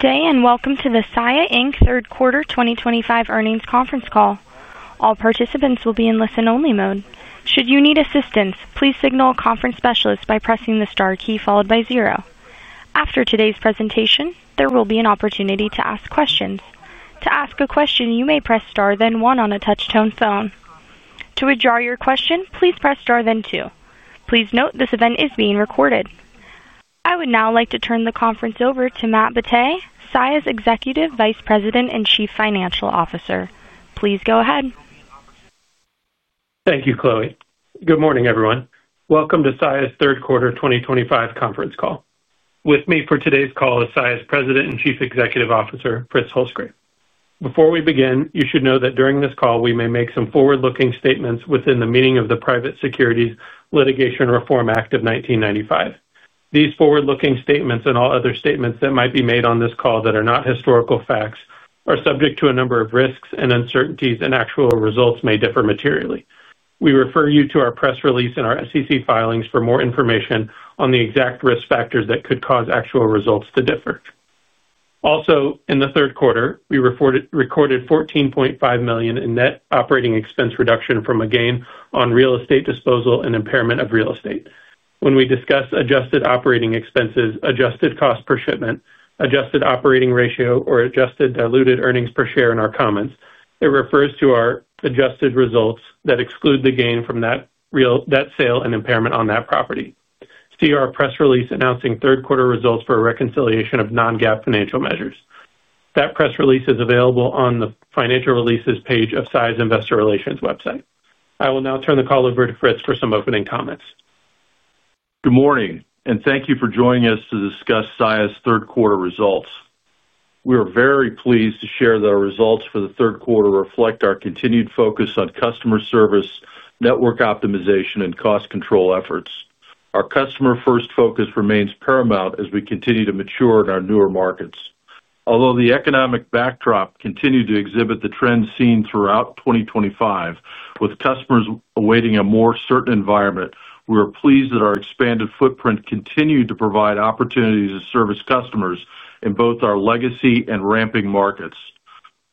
Good day and welcome to the Saia Inc. third quarter 2025 earnings conference call. All participants will be in listen-only mode. Should you need assistance, please signal a conference specialist by pressing the star key followed by zero. After today's presentation, there will be an opportunity to ask questions. To ask a question, you may press star then one on a touchtone phone. To withdraw your question, please press star then two. Please note this event is being recorded. I would now like to turn the conference over to Matthew Batteh, Saia's Executive Vice President and Chief Financial Officer. Please go ahead. Thank you, Chloe. Good morning everyone. Welcome to Saia's third quarter 2025 conference call. With me for today's call is Saia's President and Chief Executive Officer Fritz Holzgrefe. Before we begin, you should know that during this call we may make some forward-looking statements within the meaning of the Private Securities Litigation Reform Act of 1995. These forward-looking statements and all other statements that might be made on this call that are not historical facts are subject to a number of risks and uncertainties and actual results may differ materially. We refer you to our press release and our SEC filings for more information on the exact risk factors that could cause actual results to differ. Also in the third quarter we recorded $14.5 million in net operating expense reduction from a gain on real estate disposal and impairment of real estate. When we discuss adjusted operating expenses, adjusted cost per shipment, adjusted operating ratio or adjusted diluted earnings per share in our comments, it refers to our adjusted results that exclude the gain from that sale and impairment on that property. See our press release announcing third quarter results for a reconciliation of non-GAAP financial measures. That press release is available on the Financial Releases page of Saia's Investor Relations website. I will now turn the call over to Fritz for some opening comments. Good morning and thank you for joining us to discuss Saia's third quarter results. We are very pleased to share that our results for the third quarter reflect our continued focus on customer service, network optimization, and cost control efforts. Our customer-first focus remains paramount as we continue to mature in our newer markets. Although the economic backdrop continued to exhibit the trends seen throughout 2025, with customers awaiting a more certain environment, we are pleased that our expanded footprint continued to provide opportunities to service customers in both our legacy and ramping markets.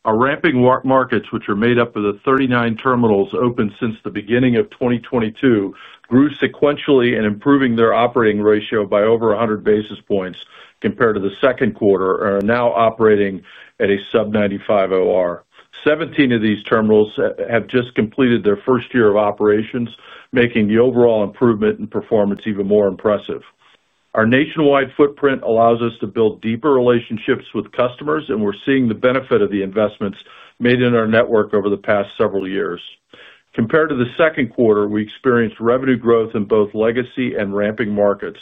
Our ramping markets, which are made up of the 39 terminals open since the beginning of 2022, grew sequentially in improving their operating ratio by over 100 basis points compared to the second quarter, and are now operating at a sub-95 OR. Seventeen of these terminals have just completed their first year of operations, making the overall improvement in performance even more impressive. Our nationwide footprint allows us to build deeper relationships with customers, and we're seeing the benefit of the investments made in our network over the past several years. Compared to the second quarter, we experienced revenue growth in both legacy and ramping markets.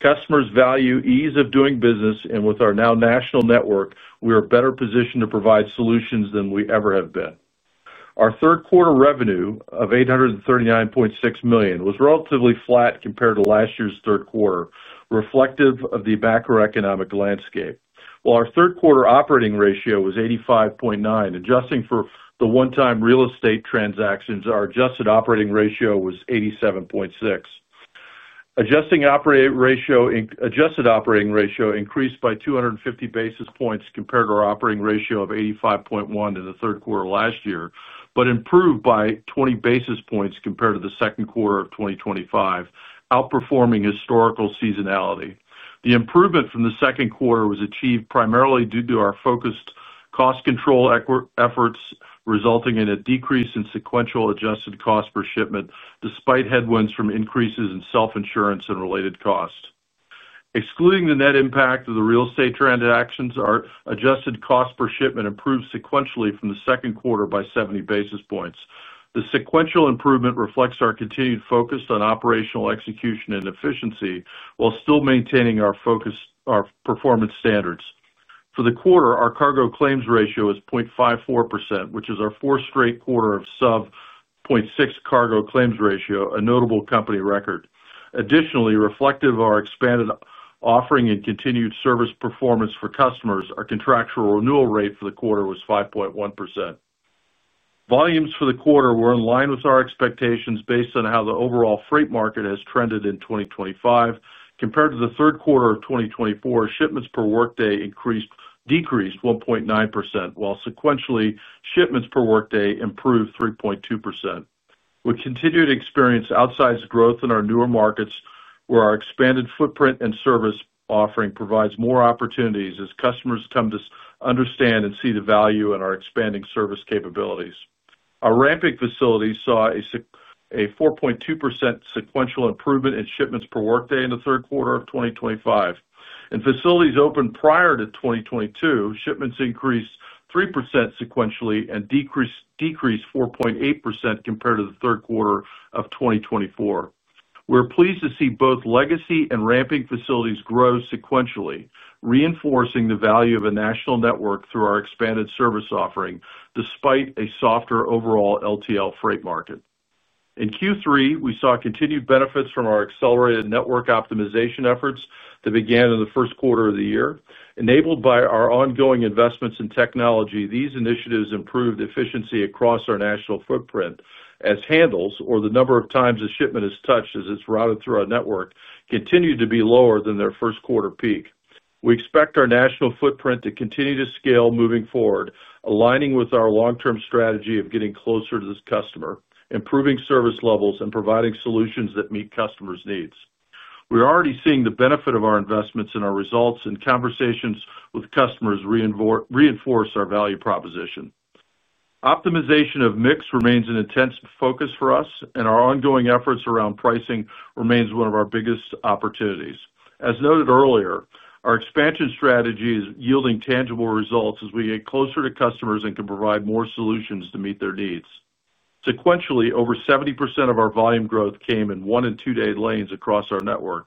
Customers value ease of doing business, and with our now national network, we are better positioned to provide solutions than we ever have been. Our third quarter revenue of $839.6 million was relatively flat compared to last year's third quarter, reflective of the macroeconomic landscape, while our third quarter operating ratio was 85.9. Adjusting for the one-time real estate transactions, our adjusted operating ratio was 87.6. Adjusted operating ratio increased by 250 basis points compared to our operating ratio of 85.1 in the third quarter last year, but improved by 20 basis points compared to the second quarter of 2025, outperforming historical seasonality. The improvement from the second quarter was achieved primarily due to our focused cost control efforts resulting in a decrease in sequential adjusted cost per shipment. Despite headwinds from increases in self-insurance and related costs, excluding the net impact of the real estate transactions, our adjusted cost per shipment improved sequentially from the second quarter by 70 basis points. The sequential improvement reflects our continued focus on operational execution and efficiency while still maintaining our focus. Our performance standards for the quarter. Our cargo claims ratio is 0.54%, which is our fourth straight quarter of sub-0.6% cargo claims ratio, a notable company record, additionally reflective of our expanded offering and continued service performance for customers. Our contractual renewal rate for the quarter was 5.1%. Volumes for the quarter were in line with our expectations based on how the overall freight market has trended in 2025 compared to the third quarter of 2024. Shipments per workday decreased 1.9%, while sequentially shipments per workday improved 3.2%. We continue to experience outsized growth in our newer markets, where our expanded footprint and service offering provide more opportunities as customers come to understand and see the value in our expanding service capabilities. Our ramping facilities saw a 4.2% sequential improvement in shipments per workday in the third quarter of 2025, and facilities opened prior to 2022. Shipments increased 3% sequentially and decreased 4.8% compared to the third quarter of 2024. We're pleased to see both legacy and ramping facilities grow sequentially, reinforcing the value of a national network through our expanded service offering. Despite a softer overall LTL freight market in Q3, we saw continued benefits from our accelerated network optimization efforts that began in the first quarter of the year. Enabled by our ongoing investments in technology, these initiatives improved efficiency across our national footprint as handles, or the number of times a shipment is touched as it's routed through our network, continued to be lower than their first quarter peak. We expect our national footprint to continue to scale moving forward, aligning with our long-term strategy of getting closer to this customer, improving service levels, and providing solutions that meet customers' needs. We're already seeing the benefit of our investments in our results, and conversations with customers reinforce our value proposition. Optimization of mix remains an intense focus for us, and our ongoing efforts around pricing remain one of our biggest opportunities. As noted earlier, our expansion strategy is yielding tangible results as we get closer to customers and can provide more solutions to meet their needs. Sequentially, over 70% of our volume growth came in one- and two-day lanes across our network,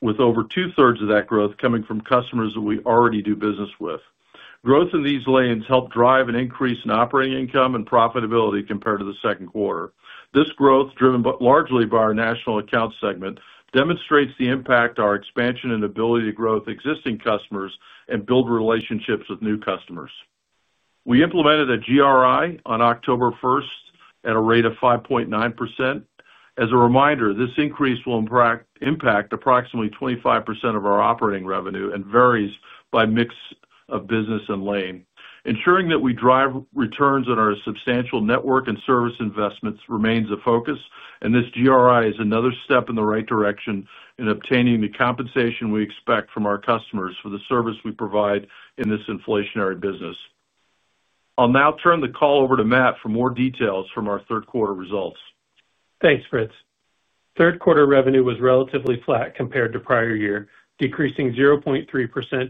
with over two-thirds of that growth coming from customers that we already do business with. Growth in these lanes helped drive an increase in operating income and profitability compared to the second quarter. This growth, driven largely by our national accounts segment, demonstrates the impact our expansion and ability to grow with existing customers and build relationships with new customers. We implemented a GRI on October 1 at a rate of 5.9%. As a reminder, this increase will impact approximately 25% of our operating revenue and varies by mix of business and lane. Ensuring that we drive returns on our substantial network and service investments remains a focus, and this GRI is another step in the right direction in obtaining the compensation we expect from our customers for the service we provide in this inflationary business. I'll now turn the call over to Matt for more details from our third quarter results. Thanks, Fritz. Third quarter revenue was relatively flat compared to prior year, decreasing 0.3%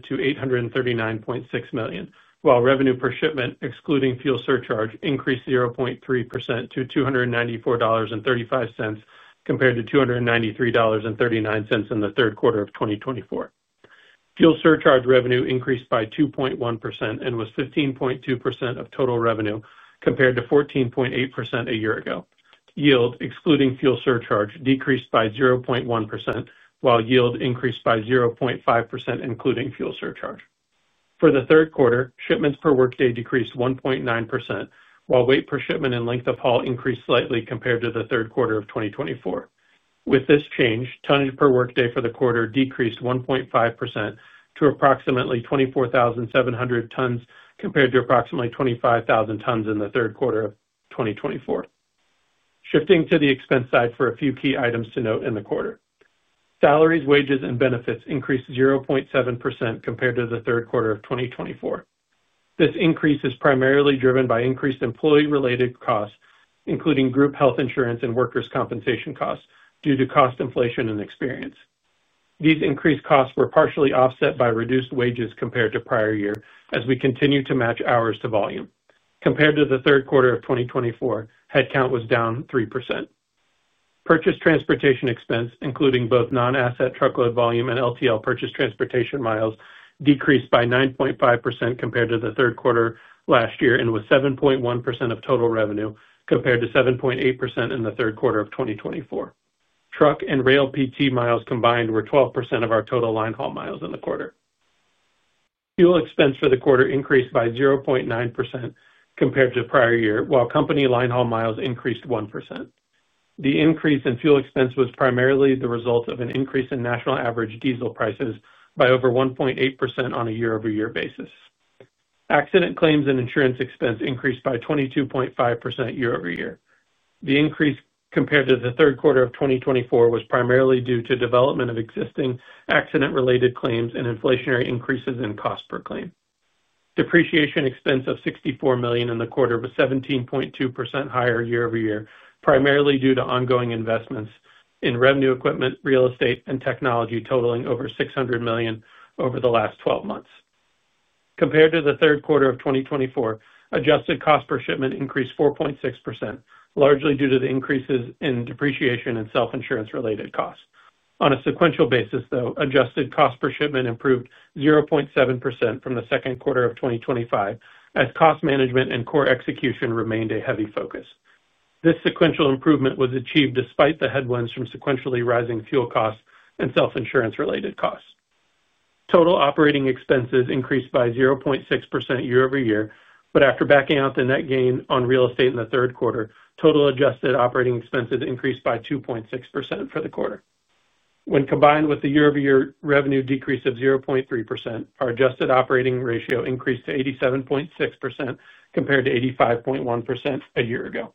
to $839.6 million, while revenue per shipment excluding fuel surcharge increased 0.3% to $294.35 compared to $293.39 in the third quarter of 2024. Fuel surcharge revenue increased by 2.1% and was 15.2% of total revenue compared to 14.8% a year ago. Yield excluding fuel surcharge decreased by 0.1%, while yield increased by 0.5% including fuel surcharge for the third quarter. Shipments per workday decreased 1.9%, while weight per shipment and length of haul increased slightly compared to the third quarter of 2024. With this change, tonnage per workday for the quarter decreased 1.5% to approximately 24,700 tons compared to approximately 25,000 tons in the third quarter of 2024. Shifting to the expense side, for a few key items to note in the quarter, salaries, wages and benefits increased 0.7% compared to the third quarter of 2024. This increase is primarily driven by increased employee-related costs, including group health insurance and workers compensation costs due to cost inflation and experience. These increased costs were partially offset by reduced wages compared to prior year as we continue to match hours to volume. Compared to the third quarter of 2024, headcount was down 3%. Purchase transportation expense, including both non-asset truckload volume and LTL purchase transportation miles, decreased by 9.5% compared to the third quarter last year and was 7.1% of total revenue compared to 7.8% in the third quarter of 2024. Truck and rail PT miles combined were 12% of our total line haul miles in the quarter. Fuel expense for the quarter increased by 0.9% compared to the prior year, while company line haul miles increased 1%. The increase in fuel expense was primarily the result of an increase in national average diesel prices by over 1.8%. A year-over-year basis. Accident claims and insurance expense increased by 22.5% year over year. The increase compared to the third quarter of 2024 was primarily due to development of existing accident related claims and inflationary increases in cost per depreciation. Expense of $64 million in the quarter was 17.2% higher year over year, primarily due to ongoing investments in revenue equipment, real estate, and technology totaling over $600 million over the last 12 months. Compared to the third quarter of 2024, adjusted cost per shipment increased 4.6% largely due to the increases in depreciation and self-insurance related costs. On a sequential basis, though, adjusted cost per shipment improved 0.7% from the second quarter of 2025 as cost management and core execution remained a heavy focus. This sequential improvement was achieved despite the headwinds from sequentially rising fuel costs and self-insurance related costs. Total operating expenses increased by 0.6% year over year, but after backing out the net gain on real estate in the third quarter, total adjusted operating expenses increased by 2.6% for the quarter. When combined with the year over year revenue decrease of 0.3%, our adjusted operating ratio increased to 87.6% compared to 85.1% a year ago.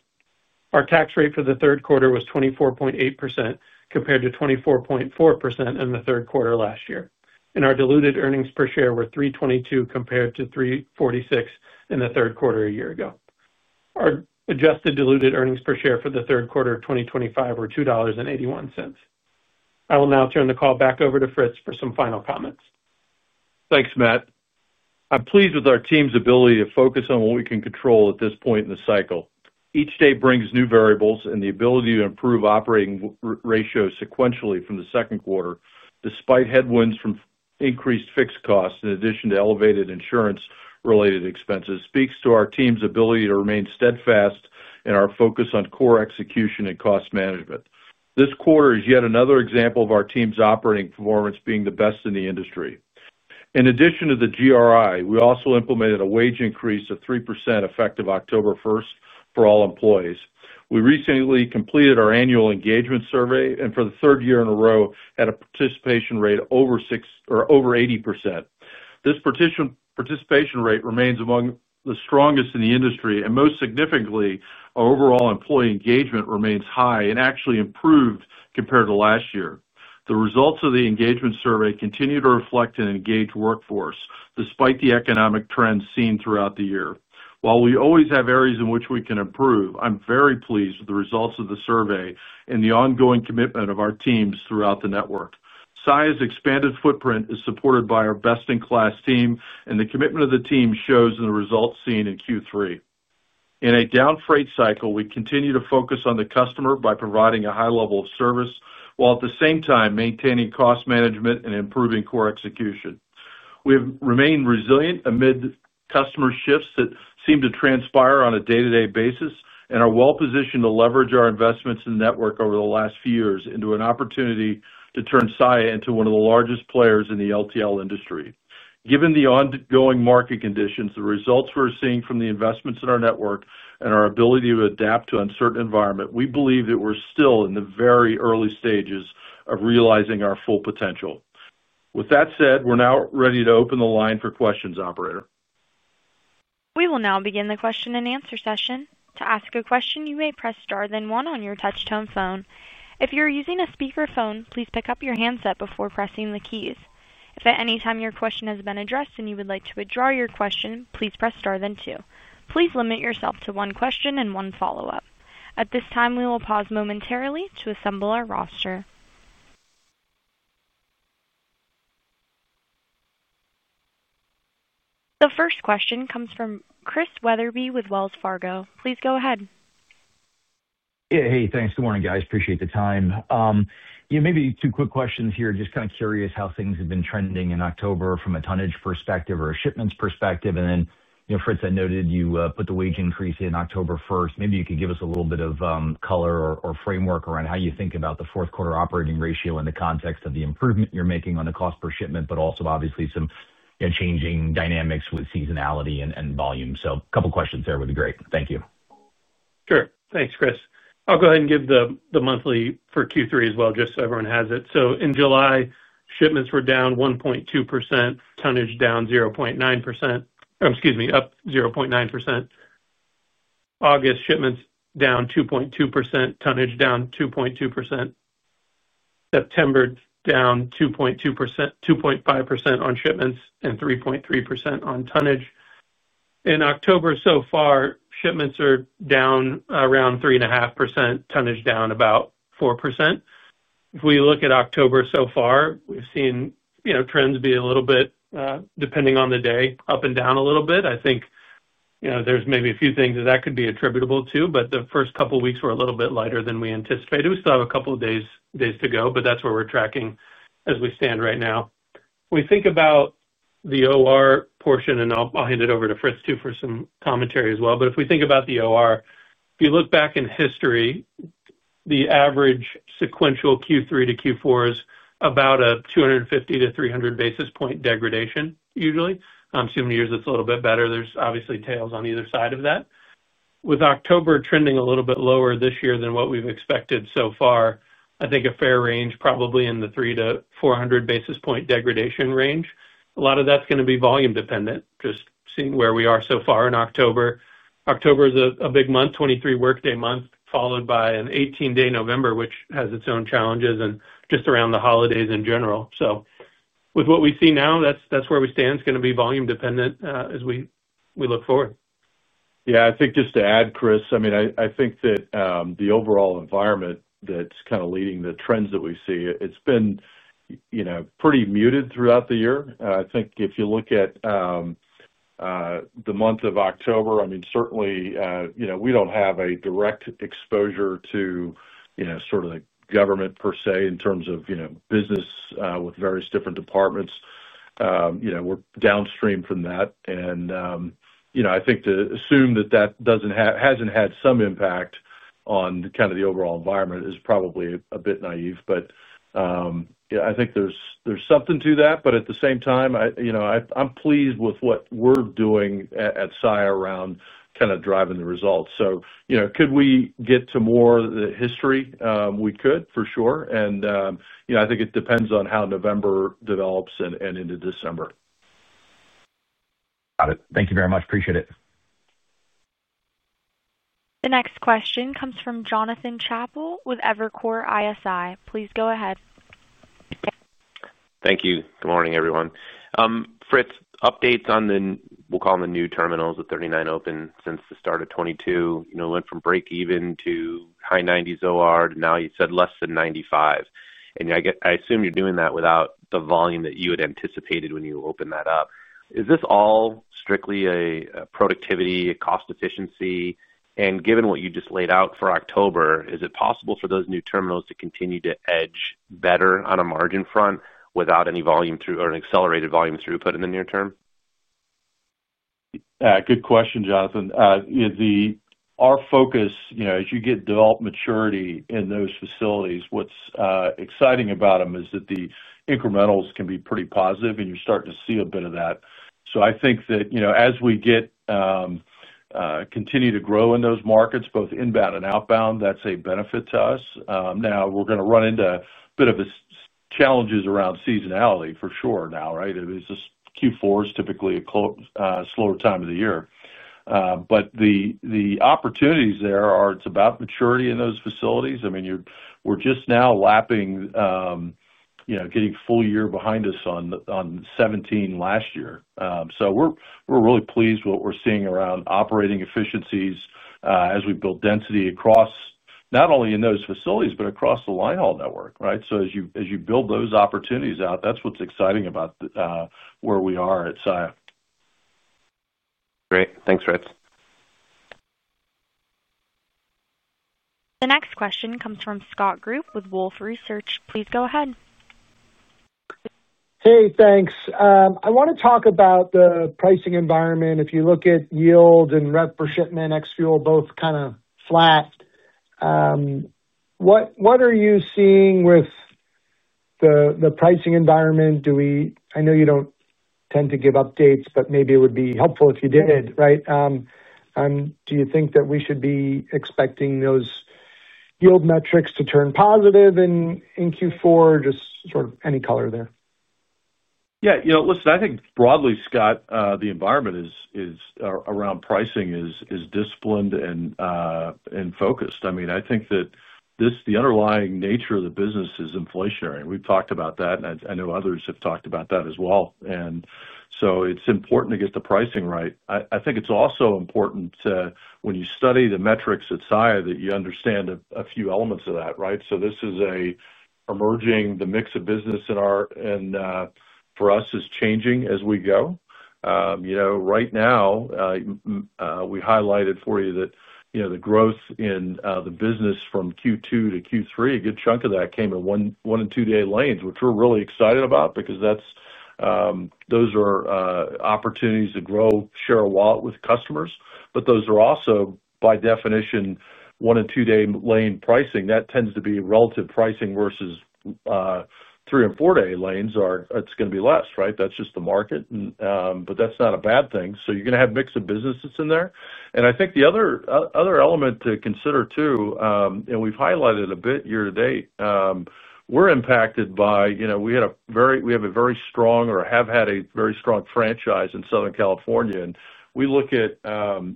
Our tax rate for the third quarter was 24.8% compared to 24.4% in the third quarter last year, and our diluted earnings per share were $3.22 compared to $3.46 in the third quarter a year ago. Our adjusted diluted earnings per share for the third quarter 2025 were $2.81. I will now turn the call back over to Fritz for some final comments. Thanks Matt. I'm pleased with our team's ability to focus on what we can control at this point in the cycle. Each day brings new variables, and the ability to improve operating ratios sequentially from the second quarter despite headwinds from increased fixed costs in addition to elevated insurance-related expenses speaks to our team's ability to remain steadfast in our focus on core execution and cost management. This quarter is yet another example of our team's operating performance being the best in the industry. In addition to the GRI, we also implemented a wage increase of 3% effective October 1 for all employees. We recently completed our annual engagement survey, and for the third year in a row had a participation rate over 80%. This participation rate remains among the strongest in the industry, and most significantly, overall employee engagement remains high and actually improved compared to last year. The results of the engagement survey continue to reflect an engaged workforce despite the economic trends seen throughout the year. While we always have areas in which we can improve, I'm very pleased with the results of the survey and the ongoing commitment of our teams throughout the network. Saia's expanded footprint is supported by our best-in-class team, and the commitment of the team shows in the results seen in Q3. In a down freight cycle, we continue to focus on the customer by providing a high level of service while at the same time maintaining cost management and improving core execution. We have remained resilient amid customer shifts that seem to transpire on a day-to-day basis and are well positioned to leverage our investments in network over the last few years into an opportunity to turn Saia into one of the largest players in theLTL industry. Given the ongoing market conditions, the results we're seeing from the investments in our network, and our ability to adapt to an uncertain environment, we believe that we're still in the very early stages of realizing our full potential. With that said, we're now ready to open the line for questions. Operator. we will now begin the question and answer session. To ask a question, you may press Star then one on your touch tone phone. If you're using a speakerphone, please pick up your handset before pressing the keys. If at any time your question has been addressed and you would like to withdraw your question, please press Star then two. Please limit yourself to one question and one follow up. At this time, we will pause momentarily to assemble our roster. The first question comes from Chris Wetherbee with Wells Fargo. Please go ahead. Hey, thanks. Good morning, guys. Appreciate the time. Maybe two quick questions here. Just kind of curious how things have been trending in October from a tonnage perspective or a shipments perspective. Fritz, I noted you put the wage increase in October 1st. Maybe you could give us a little bit of color or framework around how you think about the fourth quarter operating ratio in the context of the improve you're making on the cost per shipment. Also, obviously some changing dynamics with seasonality and volume. A couple questions there would be great. Thank you. Sure. Thanks, Chris. I'll go ahead and give the monthly for Q3 as well, just so everyone has it. In July, shipments were down 1.2%. Tonnage up 0.9%. August shipments down 2.2%. Tonnage down 2.2%. September down 2.5% on shipments and 3.3% on tonnage. In October so far, shipments are down around 3.5%, tonnage down about 4%. If we look at October so far, we've seen trends be a little bit, depending on the day, up and down a little bit. I think there's maybe a few things that could be attributable to, but the first couple weeks were a little bit lighter than we anticipated. We still have a couple of days to go, but that's where we're tracking as we stand right now. We think about the OR portion, and I'll hand it over to Fritz too for some commentary as well. If we think about the OR, if you look back in history, the average sequential Q3 to Q4 is about a 250-300 basis point degradation. Usually, years it's a little bit better. There are obviously tails on either side of that. With October trending a little bit lower this year than what we've expected so far, I think a fair range is probably in the 300-400 basis point degradation range. A lot of that's going to be volume dependent, just seeing where we are so far in October. October is a big month, 23 workday month followed by an 18 day November, which has its own challenges and just around the holidays in general. With what we see now, that's where we stand. It's going to be volume dependent as we look forward. Yeah, I think just to add, Chris, I mean, I think that the overall environment that's kind of leading the trends that we see, it's been pretty muted throughout the year. I think if you look at the month of October, I mean certainly, we don't have a direct exposure to, you know, sort of the government per se in terms of business with various different departments. We're downstream from that. I think to assume that that hasn't had some impact on kind of the overall environment is probably a bit naive, but I think there's something to that. At the same time, I'm pleased with what we're doing at Saia around kind of driving the results. Could we get to more history? We could for sure. I think it depends on how November develops and into December. Got it. Thank you very much. Appreciate it. The next question comes from Jonathan Chappell with Evercore ISI. Please go ahead. Thank you. Good morning everyone. Fritz, updates on the, we'll call them the new terminals. The 39 open since the start of 2022, you know, went from break even to high 90s or now you said less than 95, and I assume you're doing that without the volume that you. Had anticipated when you opened that up. Is this all strictly a productivity cost efficiency? Given what you just laid out for October, is it possible for those new terminals to continue to edge better on a margin front without any volume through or an accelerated volume throughput in the near term? Good question, Jonathan. Our focus, as you get developed maturity in those facilities, what's exciting about them is that the incrementals can be pretty positive and you're starting to see a bit of that. I think that as we continue to grow in those markets, both inbound and outbound, that's a benefit to us. Now we're going to run into a bit of challenges around seasonality for sure now. Q4 is typically a slower time of the year, but the opportunities there are. It's about maturity in those facilities. We're just now lapping, getting a full year behind us on 17 last year. We're really pleased with what we're seeing around operating efficiencies as we build density across not only in those facilities but across the linehaul network. Right? As you build those opportunities out, that's what's exciting about where we are at Saia. Great. Thanks Fritz. The next question comes from Scott Group with Wolfe Research. Please go ahead. Hey, thanks. I want to talk about the pricing environment. If you look at yield and rev per shipment ex fuel, both kind of flat. What are you seeing with the pricing environment? I know you don't tend to give updates, but maybe it would be helpful if you did. Do you think that we should be expecting those yield metrics to turn positive in Q4? Just sort of any color there? You know, listen, I think broadly, Scott, the environment around pricing is disciplined and focused. I mean, I think that the underlying nature of the business is inflationary. We've talked about that, and I know others have talked about that as well. It's important to get the pricing right. I think it's also important when you study the metrics at Saia that you understand a few elements of that. Right. This is emerging, the mix of business for us is changing as we go. Right now, we highlighted for you that the growth in the business from Q2 to Q3, a good chunk of that came in one and two day lanes, which we're really excited about because those are opportunities to grow share-of-wallet with customers. Those are also, by definition, one and two day lane pricing. That tends to be relative pricing versus three or four day lanes. It's going to be less. Right? That's just the market, but that's not a bad thing. You're going to have mix of businesses in there. I think the other element to consider too, and we've highlighted a bit year to date, we're impacted by, you know, we have a very strong or have had a very strong franchise in Southern California. We look at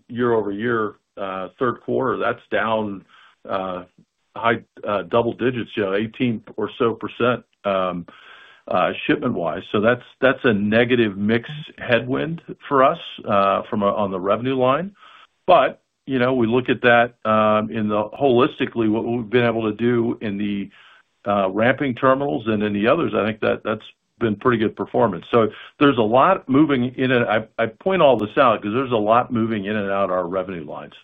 year over year, third quarter, that's down high double digits, you know, 18% or so shipment wise. That's a negative mix headwind for us on the revenue line. You know, we look at that holistically, what we've been able to do in the ramping terminals and in the others. I think that that's been pretty good performance. There's a lot moving in, and I point all this out because there's a lot moving in and out of our revenue lines.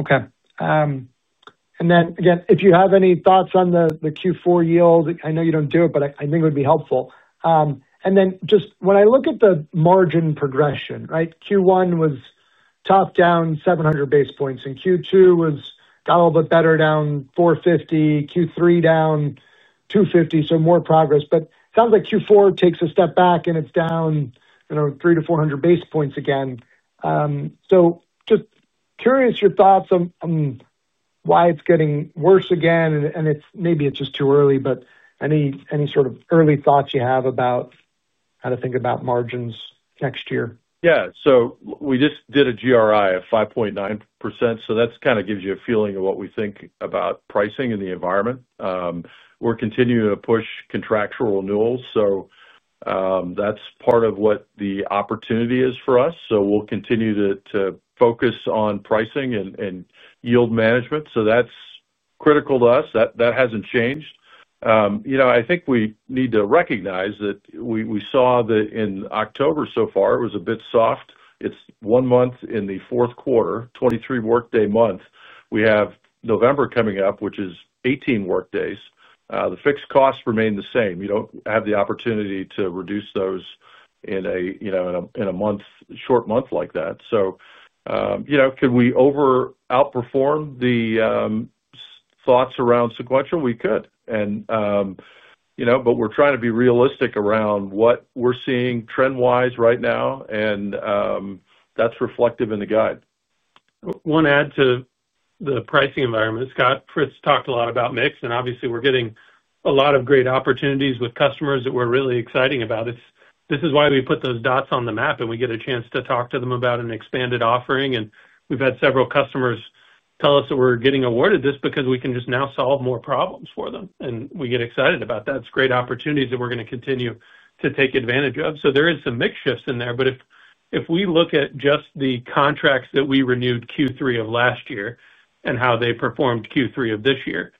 Okay. If you have any thoughts on the Q4 yield, I know you don't do it, but I think it would be helpful. When I look at the margin progression, right, Q1 was top down 700 basis points and Q2 was, got a little bit better, down 450. Q3 down 250. More progress. It sounds like Q4 takes a step back and it's down 300-400 basis points again. I'm just curious your thoughts on why it's getting worse again and maybe it's just too early, but any sort of early thoughts you have about how to think about margins next year. Yeah, so we just did a general rate increase of 5.9%. That kind of gives you a feeling of what we think about pricing in the environment. We're continuing to push contractual renewals, so that's part of what the opportunity is for us. We'll continue to focus on pricing and yield management. That's critical to us. That hasn't changed. I think we need to recognize that we saw that in October so far it was a bit soft. It's one month in the fourth quarter, a 23 workday month. We have November coming up, which is 18 workdays. The fixed costs remain the same. You don't have the opportunity to reduce those in a short month like that. Could we outperform the thoughts around sequential? We could, but we're trying to be realistic around what we're seeing trend wise right now, and that's reflective in the guide. One add to the pricing environment. Scott Fritz talked a lot about mix and obviously we're getting a lot of great opportunities with customers that we're really excited about. This is why we put those dots on the map and we get a chance to talk to them about an expanded offering. We've had several customers tell us that we're getting awarded this because we can just now solve more problems for them and we get excited about that. It's great opportunities that we're going to continue to take advantage of. There is some mix shifts in there. If we look at just the contracts that we renewed Q3 of last year and how they performed Q3 of this year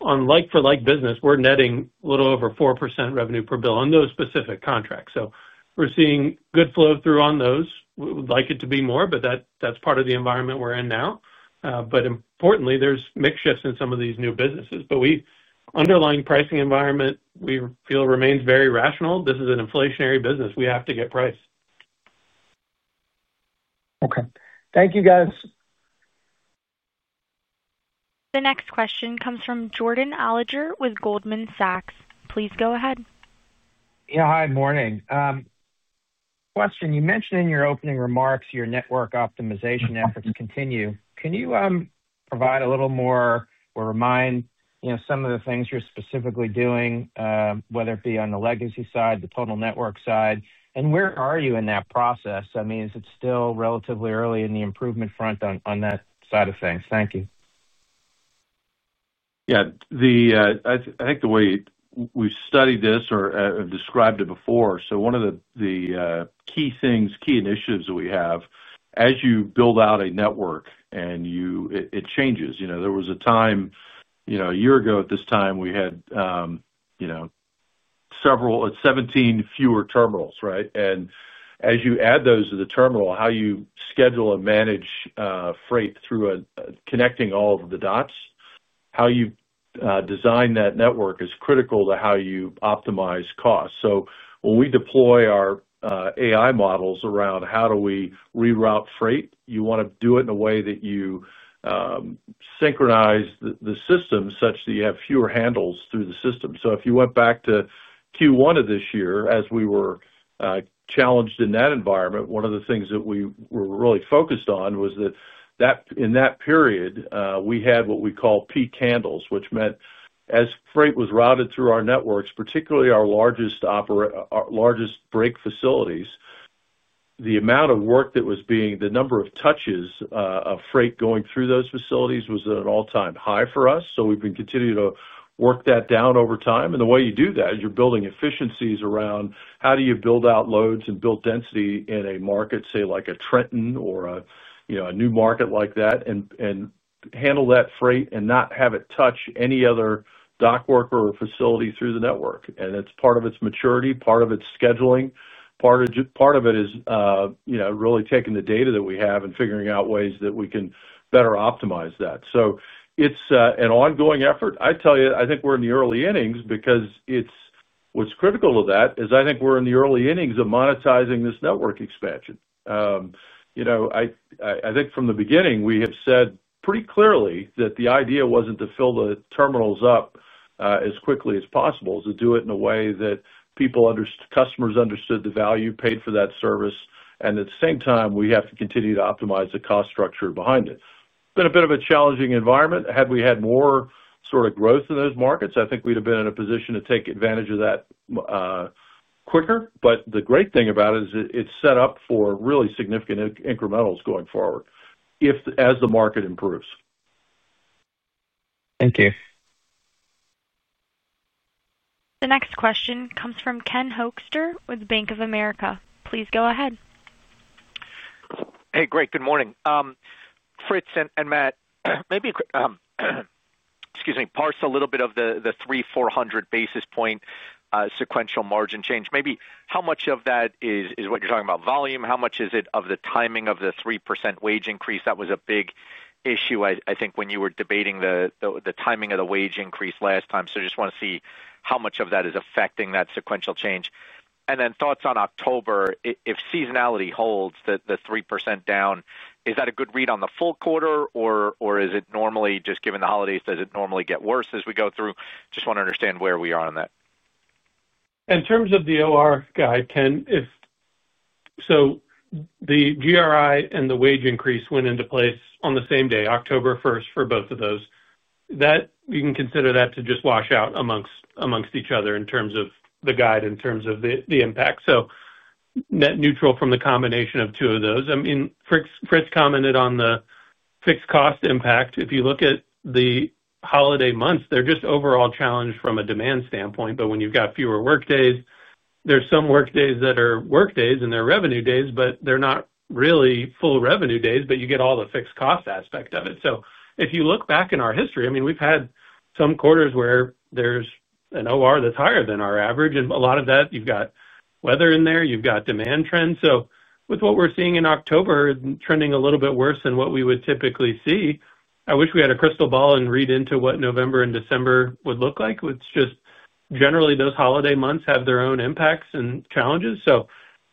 on like-for-like business, we're netting a little over 4% revenue per bill on those specific contracts. We're seeing good flow through on those. We would like it to be more, but that's part of the environment we're in now. Importantly, there's mix shifts in some of these new businesses. The underlying pricing environment we feel remains very rational. This is an inflationary business. We have to get price. Okay, thank you guys. The next question comes from Jordan Robert Alliger with Goldman Sachs. Please go ahead. Yeah, hi. Morning. Question. You mentioned in your opening remarks your network optimization efforts continue. Can you provide a little more or remind some of the things you're specifically doing, whether it be on the legacy. Side, the total network side, and where are you in that process? I mean, is it still relatively early? On the improvement front on that side of things? Thank you. Yeah. I think the way we studied this or described it before, one of the key things, key initiatives that we have, as you build out a network, it changes. You know, there was a time, a year ago at this time we had several, 17 fewer terminals. Right? As you add those to the terminal, how you schedule and manage freight through connecting all of the dots, how you design that network is critical to how you optimize costs. When we deploy our AI models around how do we reroute freight, you want to do it in a way that you synchronize the system such that you have fewer handles through the system. If you went back to Q1 of this year, as we were challenged in that environment, one of the things that we were really focused on was that in that period we had what we call peak handles, which meant as freight was routed through our networks, particularly our largest break facilities, the amount of work that was being, the number of touches of freight going through those facilities was at an all-time high for us and we continue to work that down over time. The way you do that is you're building efficiencies around how do you build out loads and build density in a market, say like a Trenton or a new market like that, and handle that freight and not have it touch any other dock worker or facility through the network. Part of it is maturity, part of it is scheduling, part of it is really taking the data that we have and figuring out ways that we can better optimize that. It's an ongoing effort. I think we're in the early innings because what's critical of that is I think we're in the early innings of monetizing this network expansion. From the beginning we have said pretty clearly that the idea wasn't to fill the terminals up as quickly as possible, to do it in a way that people understood, customers understood the value, paid for that service. At the same time we have to continue to optimize the cost structure behind it. It's been a bit of a challenging environment. Had we had more sort of growth in those markets, I think we'd have been in a position to take advantage of that quicker. The great thing about it is it's set up for really significant incrementals going forward as the market improves. Thank you. The next question comes from Ken Hoexter with Bank of America. Please go ahead. Hey, great. Good morning, Fritz and Matt. Maybe, excuse me, parse a little bit of the 3,400 basis point sequential margin change. Maybe how much of that is what you're talking about? Volume? How much is it of the timing of the 3% wage increase? That was a big issue, I think, when you were debating the timing of the wage increase last time. Just want to see how much of that is affecting that sequential change. Thoughts on October. If seasonality holds the 3% down, is that a good read on the full quarter or is it normally just given the holidays? Does it normally get worse as we go through? Just want to understand where we are. On that in terms of the OR guide, Ken, the general rate increase and the wage increase went into place on the same day, October 1st for both of those. You can consider that to just wash out amongst each other in terms of the guide, in terms of the impact. Net neutral from the combination of two of those. Fritz commented on the fixed cost impact. If you look at the holiday months, they're just overall challenged from a demand standpoint. When you've got fewer work days, there are some work days that are workdays and they're revenue days, but they're not really full revenue days, but you get all the fixed cost aspect of it. If you look back in our history, we've had some quarters where there's an OR that's higher than our average. A lot of that, you've got weather in there, you've got demand trends. With what we're seeing in October trending a little bit worse than what we would typically see, I wish we had a crystal ball and could read into what November and December would look like. Generally, those holiday months have their own impacts and challenges.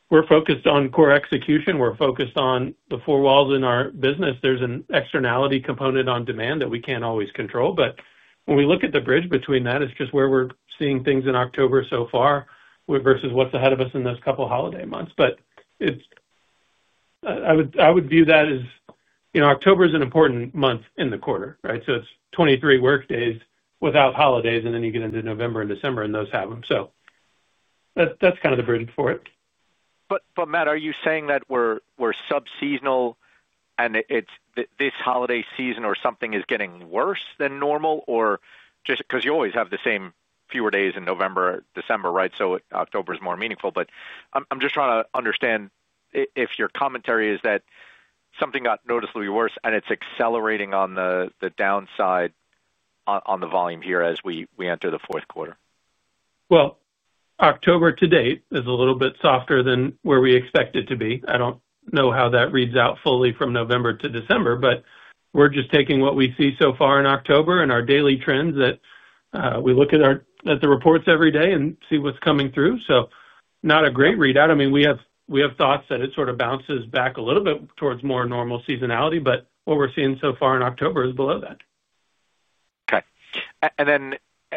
We're focused on core execution, we're focused on the four walls in our business. There's an externality component on demand that we can't always control. When we look at the bridge between that, it's just where we're seeing things in October so far versus what's ahead of us in those couple holiday months. I would view that as, you know, October is an important month in the quarter. It's 23 work days without holidays and then you get into November and December and those have them. That's kind of the bridge for it. Matt, are you saying that we're sub seasonal and it's this holiday season or something is getting worse than normal? You always have the same fewer days in November, December, right? October is more meaningful. I'm just trying to understand if your commentary is that something got noticeably worse and it's accelerating on the downside on the volume here as we enter the fourth quarter. October to date is a little bit softer than where we expect it to be. I don't know how that reads out fully from November to December, but we're just taking what we see so far in October and our daily trends that we look at the reports every day and see what's coming through. Not a great readout. I mean, we have thoughts that it sort of bounces back a little bit towards more normal seasonality, but what we're seeing so far in October is below that. Okay, and then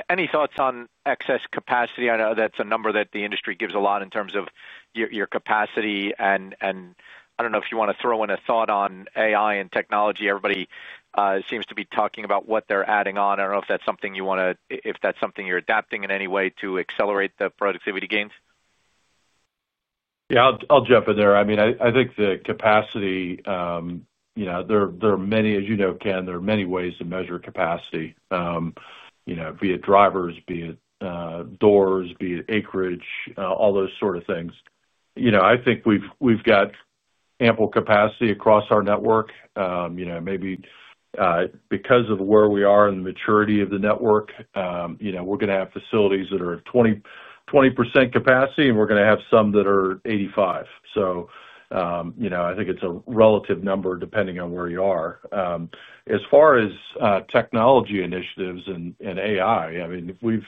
any thoughts on excess capacity? I know that's a number that the industry gives a lot in terms of your capacity. I don't know if you want to throw in a thought on AI and technology. Everybody seems to be talking about what they're adding on. I don't know if that's something you want to, if that's something you're adapting in any way to accelerate the productivity gains. Yeah, I'll jump in there. I think the capacity, you know, there are many, as you know, Ken, there are many ways to measure capacity, be it drivers, be it doors, be it acreage, all those sort of things. I think we've got ample capacity across our network, maybe because of where we are in the maturity of the network. We're going to have facilities that are 20% capacity and we're going to have some that are 85%. I think it's a relative number depending on where you are. As far as technology initiatives and AI, we've,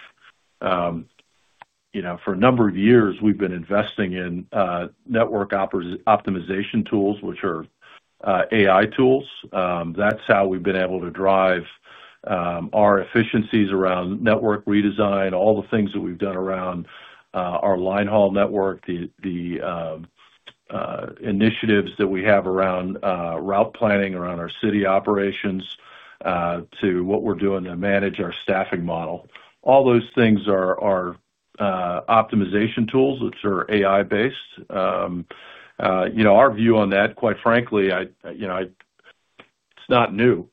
for a number of years, been investing in network optimization tools, which are AI tools. That's how we've been able to drive our efficiencies around network redesign. All the things that we've done around our line haul network, the initiatives that we have around route planning, around our city operations to what we're doing to manage our staffing model, all those things are optimization tools which are AI based. Our view on that, quite frankly, it's not new.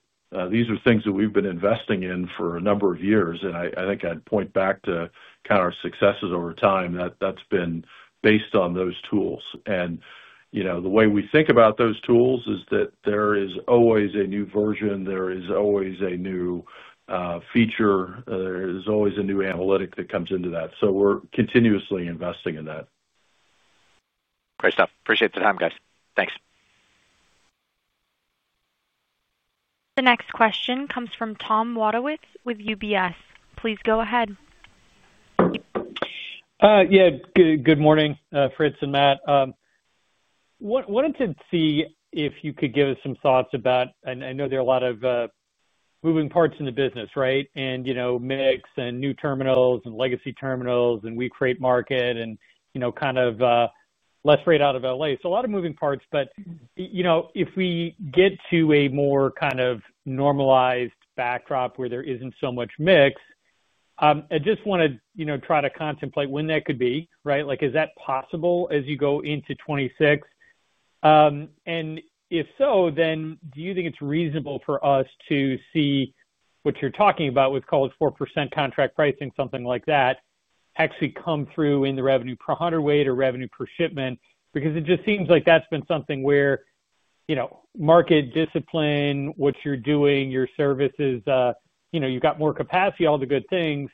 These are things that we've been investing in for a number of years. I think I'd point back to our successes over time that's been based on those tools. The way we think about those tools is that there is always a new version, there is always a new feature, there's always a new analytic that comes into that. We're continuously investing in that. Great stuff. Appreciate the time, guys. Thanks. The next question comes from Tom Wadewitz with UBS. Please go ahead. Yeah, good morning. Fritz and Matt, wanted to see if you could give us some thoughts about, I know there are a lot of moving parts in the business, right, and you know, mix and new terminals and legacy terminals and we create market and, you know, kind of less rate out of L.A., so a lot of moving parts. If we get to a more kind of normalized backdrop where there isn't so much mix, I just want to try to contemplate when that could be, right, like is that possible as you go into 2026? If so, then do you think it's reasonable for us to see what you're talking about with, call it, 4% contract pricing, something like that, actually come through in the revenue per hundredweight or revenue per shipment? It just seems like that's been something where, you know, market discipline, what you're doing, your services, you've got more capacity, all the good things,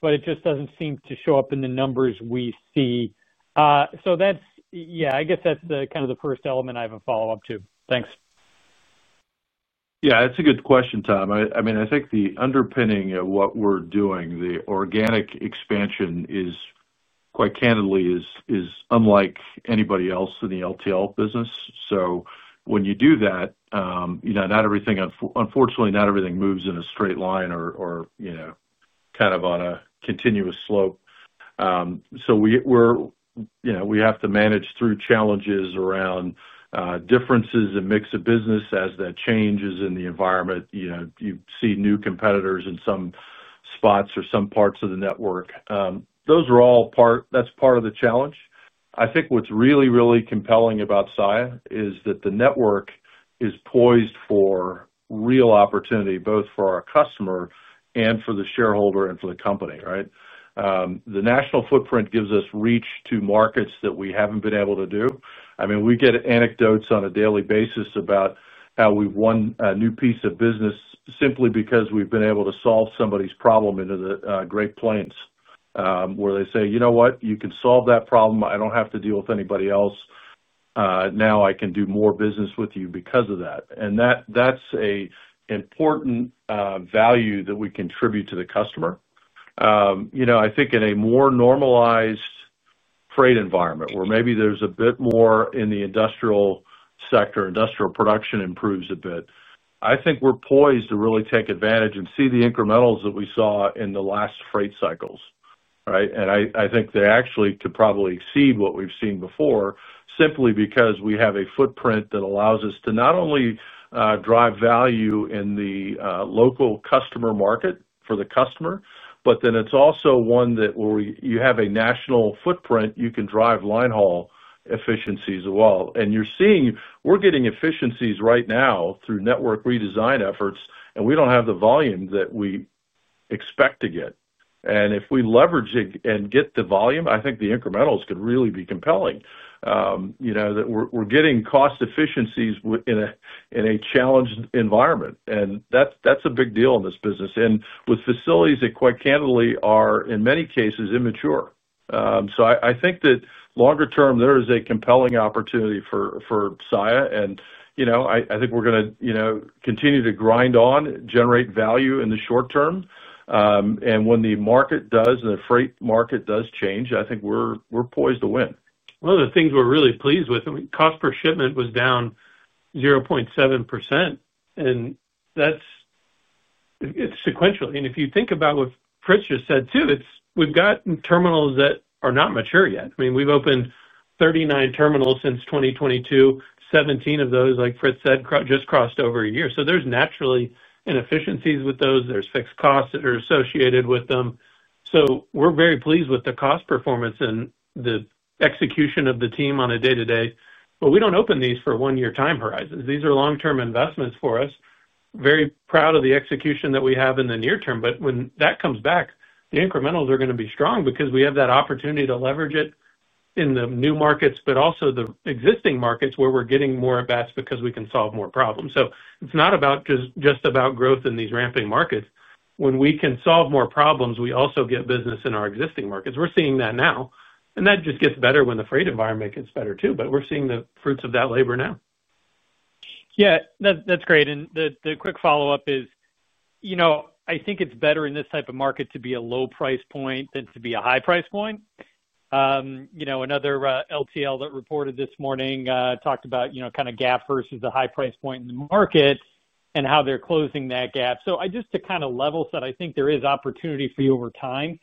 but it just doesn't seem to show up in the numbers we see. That's the first element. I have a follow-up too. Thanks. Yeah, that's a good question, Tom. I mean, I think the underpinning of what we're doing, the organic expansion, quite candidly is unlike anybody else in the LTL business. When you do that, not everything, unfortunately, not everything moves in a straight line or on a continuous slope. We have to manage through challenges around differences in mix of business as that changes in the environment. You see new competitors in some spots or some parts of the network. That's part of the challenge. I think what's really, really compelling about Saia is that the network is poised for real opportunity both for our customer and for the shareholder and for the company. The national footprint gives us reach to markets that we haven't been able to do. I mean, we get anecdotes on a daily basis about how we've won a new piece of business simply because we've been able to solve somebody's problem into the Great Plains where they say, you know what, you can solve that problem. I don't have to deal with anybody else now. I can do more business with you because of that. That's an important value that we contribute to the customer. I think in a more normalized freight environment where maybe there's a bit more in the industrial sector, industrial production improves a bit. I think we're poised to really take advantage and see the incrementals that we saw in the last freight cycles. I think they actually could probably exceed what we've seen before simply because we have a footprint that allows us to not only drive value in the local customer market for the customer, but then it's also one where you have a national footprint, you can drive line haul efficiencies as well. You're seeing we're getting efficiencies right now through network redesign efforts and we don't have the volume that we expect to get. If we leverage and get the volume, I think the incrementals could really be compelling. We're getting cost efficiencies in a challenged environment and that's a big deal in this business and with facilities that, quite candidly, are in many cases immature. I think that longer term there is a compelling opportunity for Saia. I think we're going to continue to grind on, generate value in the short term. When the market does, and the freight market does change, I think we're poised to win. One of the things we're really pleased with, cost per shipment was down 0.7% and that's, it's sequential. If you think about what Fritz just said too, we've got terminals that are not mature yet. I mean we've opened 39 terminals since 2022. 17 of those, like Fritz said, just crossed over a year. There's naturally inefficiencies with those, there's fixed costs that are associated with them. We're very pleased with the cost performance and the execution of the team on a day to day. We don't open these for one year time horizons, these are long term investments for us. Very proud of the execution that we have in the near term. When that comes back, the incrementals are going to be strong because we have that opportunity to leverage it in the new markets. Also, the existing markets where we're getting more at bats because we can solve more problems. It's not just about growth in these ramping markets when we can solve more problems. We also get business in our existing markets. We're seeing that now and that just gets better when the freight environment gets better too. We're seeing the fruits of that labor now. Yeah, that's great. The quick follow up is, you know, I think it's better in this type of market to be a low price point than to be a high price point. Another LTL that reported this morning talked about, you know, kind of gap versus the high price point in the market and how they're closing that gap. Just to kind of level set, I think there is opportunity for you over time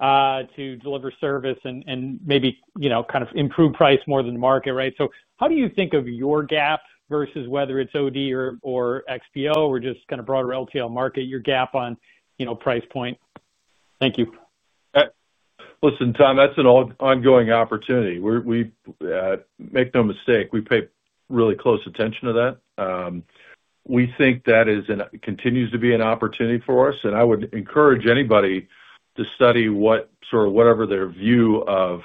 to deliver service and maybe, you know, kind of improve price more than the market. Right. How do you think of your gap versus whether it's OD or XPO or just kind of broader LTL market, your gap on, you know, price point. Thank you. Listen, Tom, that's an ongoing opportunity. Make no mistake. We pay really close attention to that. We think that is and continues to be an opportunity for us. I would encourage anybody to study whatever their view of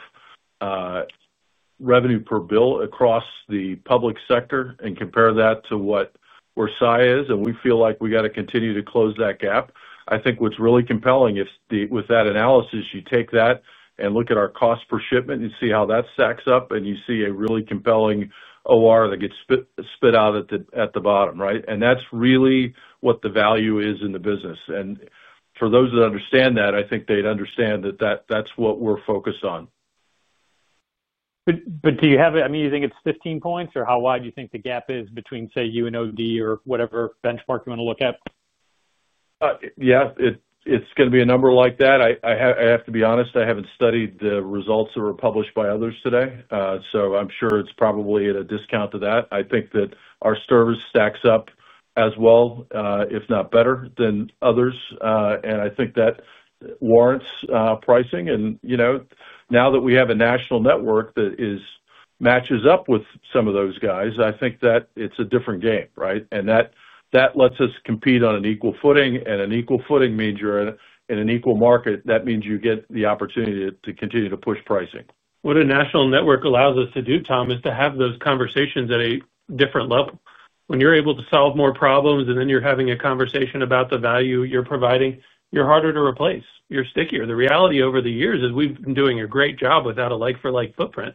revenue per bill across the public sector and compare that to where Saia is, and we feel like we got to continue to close that gap. I think what's really compelling with that analysis, you take that and look at our cost per shipment and see how that stacks up, and you see a really compelling number that gets spit out at the bottom. Right? That's really what the value is in the business. For those that understand that, I think they'd understand that that's what we're focused on. Do you have it? I mean, you think it's 15 points or how wide do you think the gap is between, say, you and OD or whatever benchmark you want to look at? Yeah, it's going to be a number like that. I have to be honest, I haven't studied the results that were published by others today. I'm sure it's probably at a discount to that. I think that our service stacks up as well, if not better than others. I think that warrants pricing. Now that we have a national network that matches up with some of those guys, I think that it's a different game. That lets us compete on an equal footing. An equal footing means you're in an equal market. That means you get the opportunity to continue to push pricing. What a national network allows us to do, Tom, is to have those conversations at a different level. When you're able to solve more problems and then you're having a conversation about the value you're providing, you're harder to replace, you're stickier. The reality over the years is we've been doing a great job without a like-for-like footprint.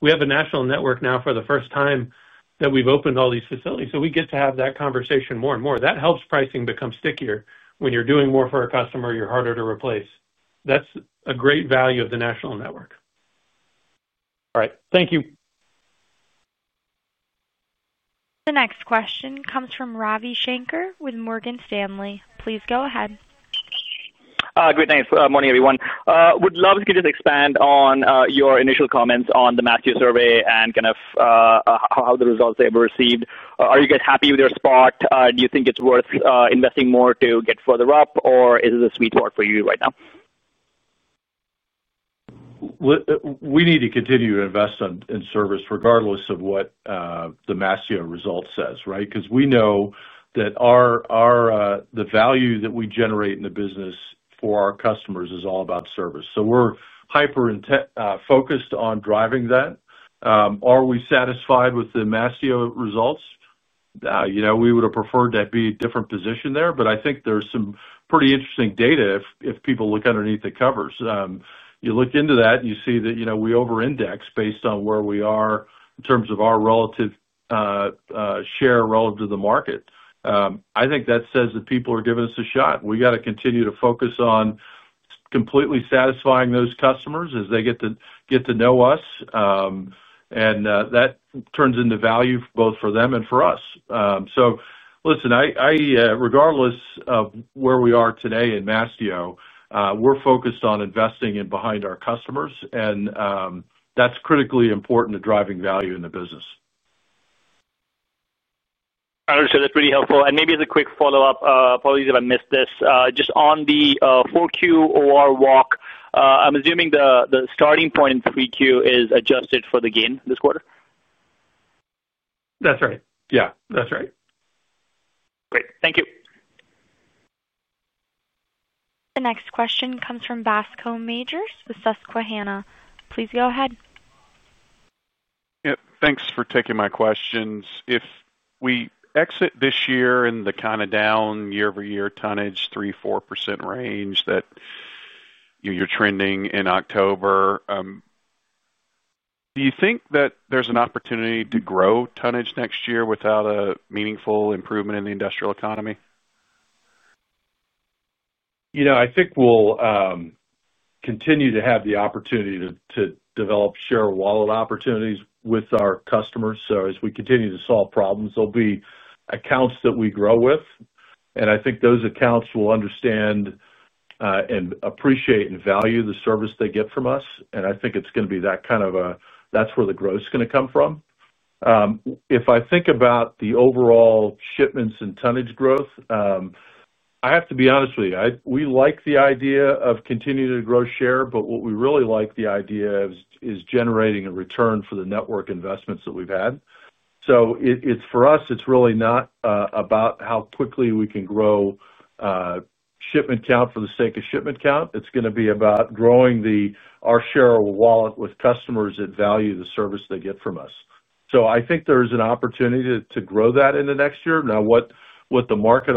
We have a national network now for the first time that we've opened all these facilities, so we get to have that conversation more and more. That helps pricing become stickier. When you're doing more for a customer, you're harder to replace. That's a great value of the national network. All right, thank you. The next question comes from Ravi Shanker with Morgan Stanley. Please go ahead. Great, thanks. Morning everyone, would love if you could. Just expand on your initial comments. The Mastio survey and kind of how the results, they were received. Are you guys happy with your spot? Do you think it's worth investing more? To get further up, or is it a sweet word for you right now? We need to continue to invest in service regardless of what the Mastio result says. Right? Because we know that the value that we generate in the business for our customers is all about service. We're hyper focused on driving that. Are we satisfied with the Mastio results? You know, we would have preferred that be a different position there, but I think there's some pretty interesting data. If people look underneath the covers, you look into that, you see that, you know, we over index based on where we are in terms of our relative share relative to the market. I think that says that people are giving us a shot. We got to continue to focus on completely satisfying those customers as they get to know us and that turns into value both for them and for us. Listen, regardless of where we are today in Mastio, we're focused on investing in behind our customers and that's critically important to driving value in the business. That's really helpful. Maybe as a quick follow-up. Apologies if I missed this just on. The 4Q or walk. I'm assuming the starting point in 3Q is adjusted for the gain this quarter. That's right. Yeah. that's right. Great, thank you. The next question comes from Bascome Majors with Susquehanna. Please go ahead. Thanks for taking my questions. If we exit this year in the kind of down year-over-year tonnage 3.4% range that you're trending in October, do you think that there's an opportunity to grow tonnage next year without a meaningful improvement in the industrial economy? I think we'll continue to have the opportunity to develop share-of-wallet opportunities with our customers. As we continue to solve problems, there'll be accounts that we grow with. I think those accounts will understand and appreciate and value the service they get from us. It's going to be that kind of a situation. That's where the growth is going to come from. If I think about the overall shipments and tonnage growth, I have to be honest with you. We like the idea of continuing to grow share, but what we really like the idea of is generating a return for the network investments that we've had. For us, it's really not about how quickly we can grow shipment count for the sake of shipment count. It's going to be about growing our share of wallet with customers that value the service they get from us. I think there is an opportunity to grow that in the next year. What the market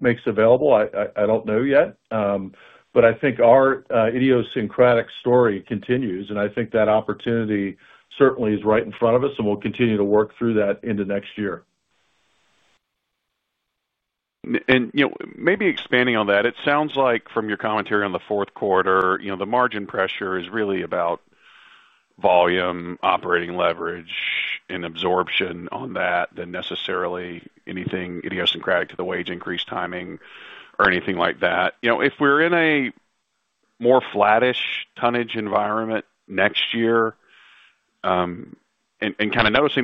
makes available, I don't know yet, but I think our idiosyncratic story continues and I think that opportunity certainly is right in front of us and we'll continue to work through that into next year. Maybe expanding on that. It sounds like from your commentary on the fourth quarter, the margin pressure is really about volume, operating leverage, and absorption on that than necessarily anything idiosyncratic to the wage increase, timing, or anything like that. If we're in a more flattish tonnage environment next year. Noticing.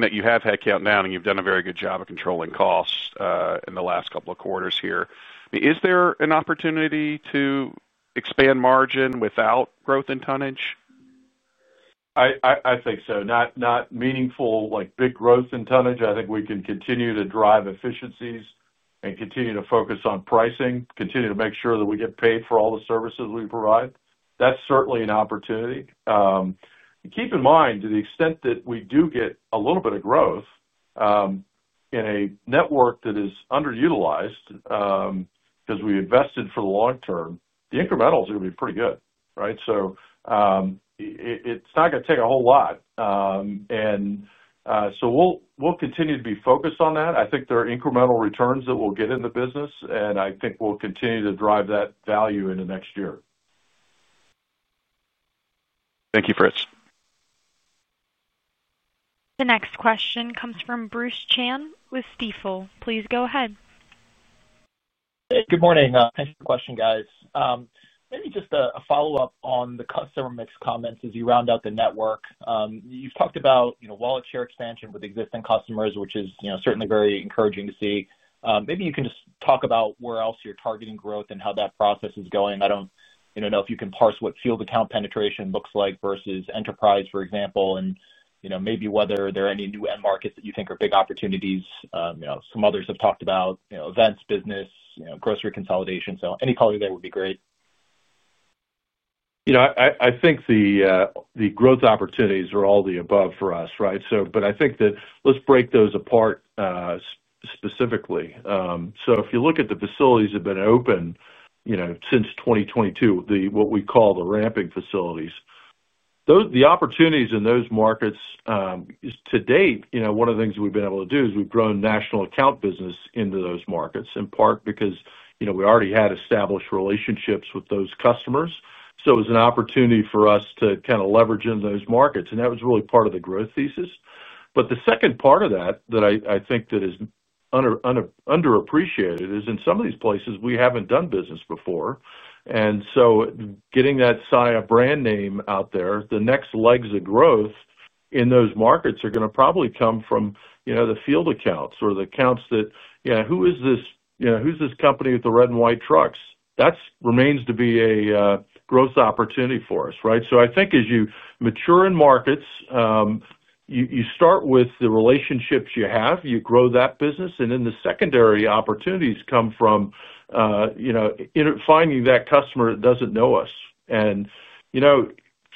That you have had countdown and you've done a very good job of controlling costs in the last couple of quarters here. Is there an opportunity to expand margin? Without growth in tonnage? I think so. Not meaningful like big growth in tonnage. I think we can continue to drive efficiencies and continue to focus on pricing, continue to make sure that we get paid for all the services we provide, that's certainly an opportunity. Keep in mind, to the extent that we do get a little bit of growth in a network that is underutilized because we invested for the long term, the incrementals are going to be pretty good. It is not going to take a whole lot. We will continue to be focused on that. I think there are incremental returns that we'll get in the business and I think we'll continue to drive that value in the next year. Thank you. Fritz. The next question comes from Bruce Chan with Stifel, please go ahead. Good morning. Thanks for the question, guys. Maybe just a follow-up on the customer mix. Comments as you round out the network. You've talked about share-of-wallet growth with existing customers, which is certainly very encouraging to see. Maybe you can just talk about where. Else you're targeting growth and how that process is going. I don't think. You don't know if you can parse what field account penetration looks like versus enterprise, for example, and maybe whether there are any new end markets that you. Think there are big opportunities. Some others have talked about events, business, grocery consolidation. Any color there would be great. I think the growth opportunities are all the above for us. Right. I think that let's break those apart specifically. If you look at the facilities that have been open since 2022, what we call the ramping facilities, the opportunities in those markets to date, one of the things we've been able to do is we've grown national account business into those markets in part because we already had established relationships with those customers. It was an opportunity for us to kind of leverage in those markets. That was really part of the growth thesis. The second part of that, that I think is underappreciated, is in some of these places we haven't done business before. Getting that Saia brand name out there, the next legs of growth in those markets are going to probably come from the field accounts or the accounts that, you know, who is this, who's this company with the red and white trucks, that remains to be a growth opportunity for us. Right? I think as you mature in markets, you start with the relationships you have, you grow that business, and then the secondary opportunities come from finding that customer that doesn't know us.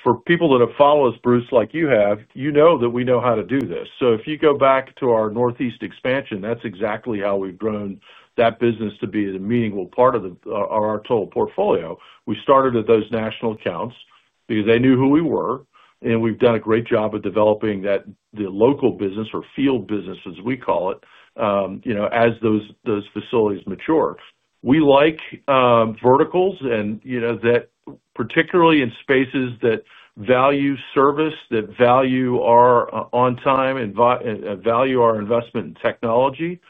For people that have followed us, Bruce, like you have, you know that we know how to do this. If you go back to our Northeast expansion, that's exactly how we've grown that business to be a meaningful part of our total portfolio. We started at those national accounts because they knew who we were. We've done a great job of developing that. The local business or field business, as we call it, as those facilities mature, we like verticals, and particularly in spaces that value service, that value our on time and value our investment in technology,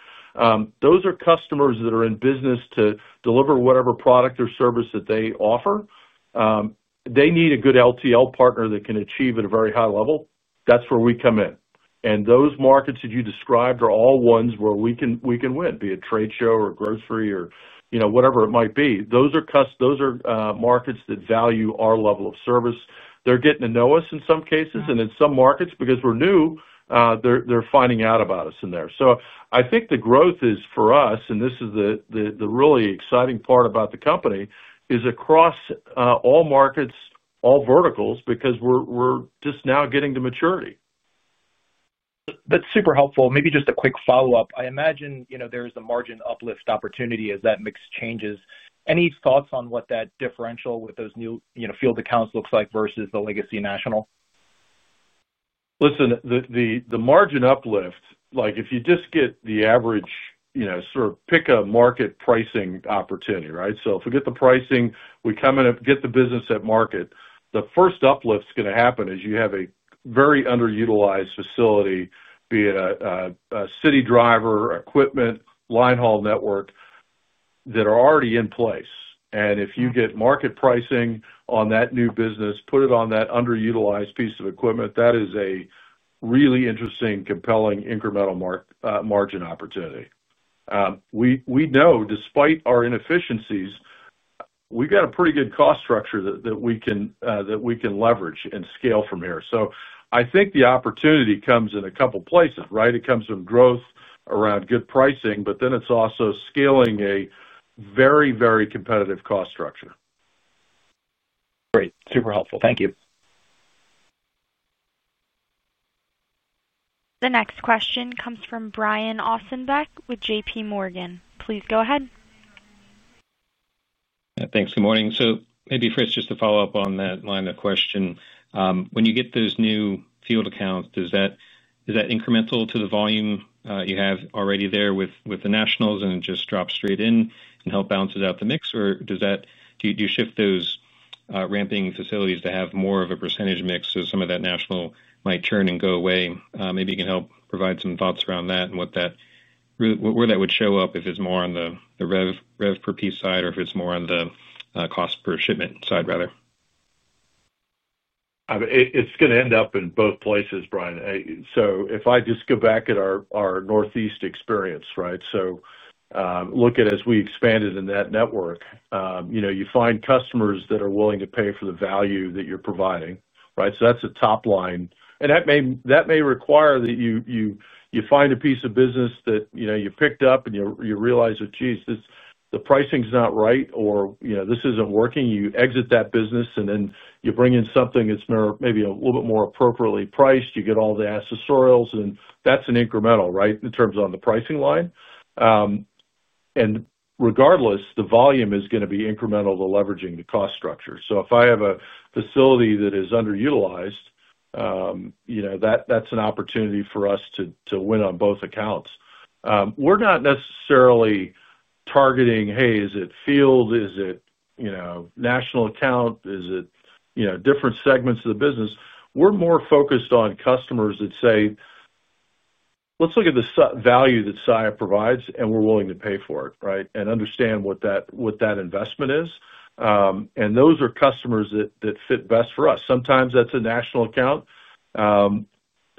those are customers that are in business to deliver whatever product or service that they offer. They need a good LTL partner that can achieve at a very high level, that's where we come in. Those markets that you described are all ones where we can win, be it trade show or grocery or whatever it might be. Those are markets that value our level of service. They're getting to know us in some cases, and in some markets, because we're new, they're finding out about us in there. I think the growth is for us. This is the really exciting part about the company, across all markets, all verticals, because we're just now getting to maturity. That's super helpful. Maybe just a quick follow up. I imagine there is a margin uplift opportunity as that mix changes. Any thoughts on what that differential is with. Those new field accounts, looks like versus the legacy National? Listen, the margin uplift, like if you just get the average, sort of pick a market pricing opportunity, right? If we get the pricing, we come in and get the business at market, the first uplift that is going to happen is you have a very underutilized facility, be it a city, driver, equipment, linehaul network that are already in place. If you get market pricing, that new business, put it on that underutilized piece of equipment, that is a really interesting, compelling incremental margin opportunity. We know despite our inefficiencies, we've got a pretty good cost structure that we can leverage and scale from here. I think the opportunity comes in a couple places, right? It comes from growth around good pricing, but then it's also scaling a very, very competitive cost structure. Great. Super helpful. Thank you. The next question comes from Brian Ossenbeck with JPMorgan. Please go ahead. Thanks. Good morning. Maybe first, just to follow up on that line of question, when you get those new field accounts, is that incremental to the volume you have already there with the nationals and just drop straight in and help balance out the mix, or do you shift those ramping facilities to have more of a percentage mix so some of that national might churn and go away? Maybe you can help provide some thoughts around that and where that would show up. If it's more on the rev per piece side or if it's more on the cost per shipment side, rather. It's going to end up in both places, Brian. If I just go back at our Northeast experience, right? Look at as we expanded in that network, you find customers that are willing to pay for the value that you're providing. That's a top line. That may require that you find a piece of business that you picked up and you realize that, jeez, the pricing's not right or this isn't working. You exit that business and then you bring in something that's maybe a little bit more appropriately priced. You get all the accessorials and that's an incremental, right, in terms on the pricing line. Regardless, the volume is going to be incremental to leveraging the cost structure. If I have a facility that is underutilized, that's an opportunity for us to win. On both accounts, we're not necessarily targeting, hey, is it field, is it national account, is it different segments of the business? We're more focused on customers that say, look at the value that Saia provides and we're willing to pay for it. Right? We understand what that investment is. Those are customers that fit best for us. Sometimes that's a national account,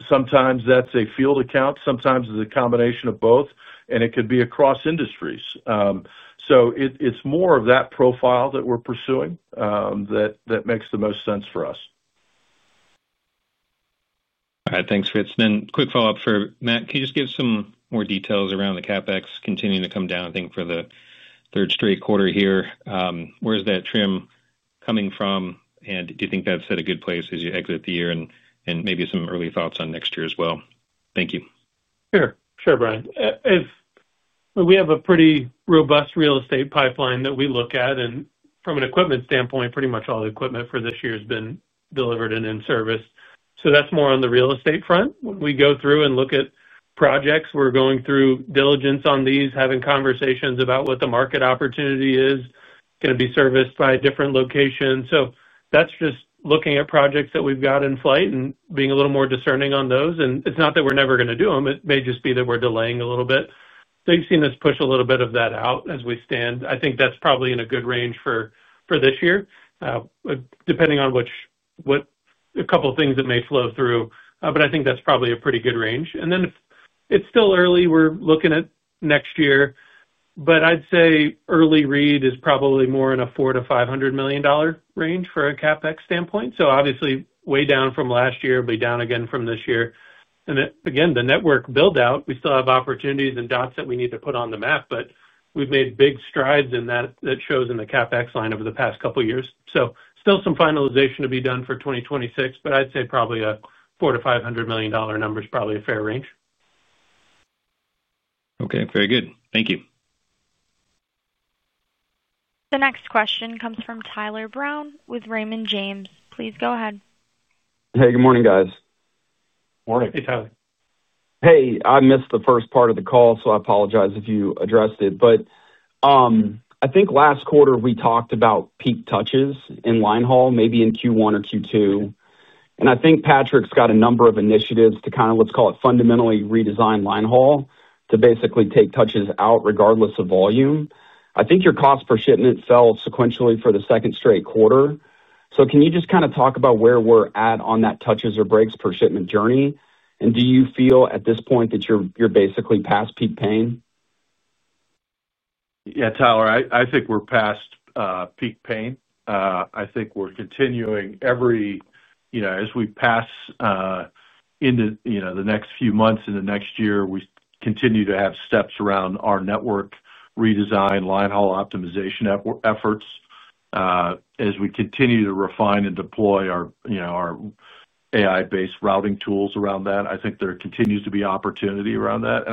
sometimes that's a field account, sometimes it's a combination of both, and it could be across industries. It's more of that profile that we're pursuing that makes the most sense for us. All right, thanks, Fritz. Quick follow up for Matt. Can you just give some more details around the CapEx continuing to come down, I think for the third straight quarter here? Where's that trim coming from? Do you think that's at a good place as you exit the year and maybe some early thoughts on next year as well? Thank you. Sure, Brian. We have a pretty robust real estate pipeline that we look at. From an equipment standpoint, pretty much all the equipment for this year has been delivered and in service. That's more on the real estate front when we go through and look at projects. We're going through diligence on these, having conversations about what the market opportunity is going to be serviced by different locations. That's just looking at projects that we've got in flight and being a little more discerning on those. It's not that we're never going to do them. It may just be that we're delaying a little bit. You've seen us push a little bit of that out as we stand. I think that's probably in a good range for this year, depending on a couple things that may flow through. I think that's probably a pretty good range. It's still early. We're looking at next year, but I'd say early read is probably more in a $400 million-$500 million range from a CapEx standpoint. Obviously, way down from last year, be down again from this year, and the network build out, we still have opportunities and dots that we need to put on the map, but we've made big strides in that. That shows in the CapEx line over the past couple years. Still some finalization to be done for 2026, but I'd say probably a $400 million-$500 million number is probably a fair range. Okay, very good, thank you. The next question comes from Tyler Brown with Raymond James. Please go ahead. Hey, good morning, guys. Morning. Hey, Tyler. Hey. I missed the first part of the call, so I apologize if you addressed it. I think last quarter we talked. About peak touches in linehaul, maybe in. Q1 or Q2, and I think Patrick's got a number of initiatives to, let's call it, fundamentally redesign linehaul to basically take touches out regardless of volume. I think your cost per shipment fell sequentially for the second straight quarter. Can you just kind of talk. About where we're at on that shipment touches or breaks per shipment journey? Do you feel at this point that you're basically past peak pain? Yeah, Tyler, I think we're past peak pain. I think we're continuing every, you know, as we pass into the next few months in the next year, we continue to have steps around our network redesign, linehaul optimization efforts. As we continue to refine and deploy our AI-driven network optimization tools around that, I think there continues to be opportunity around that.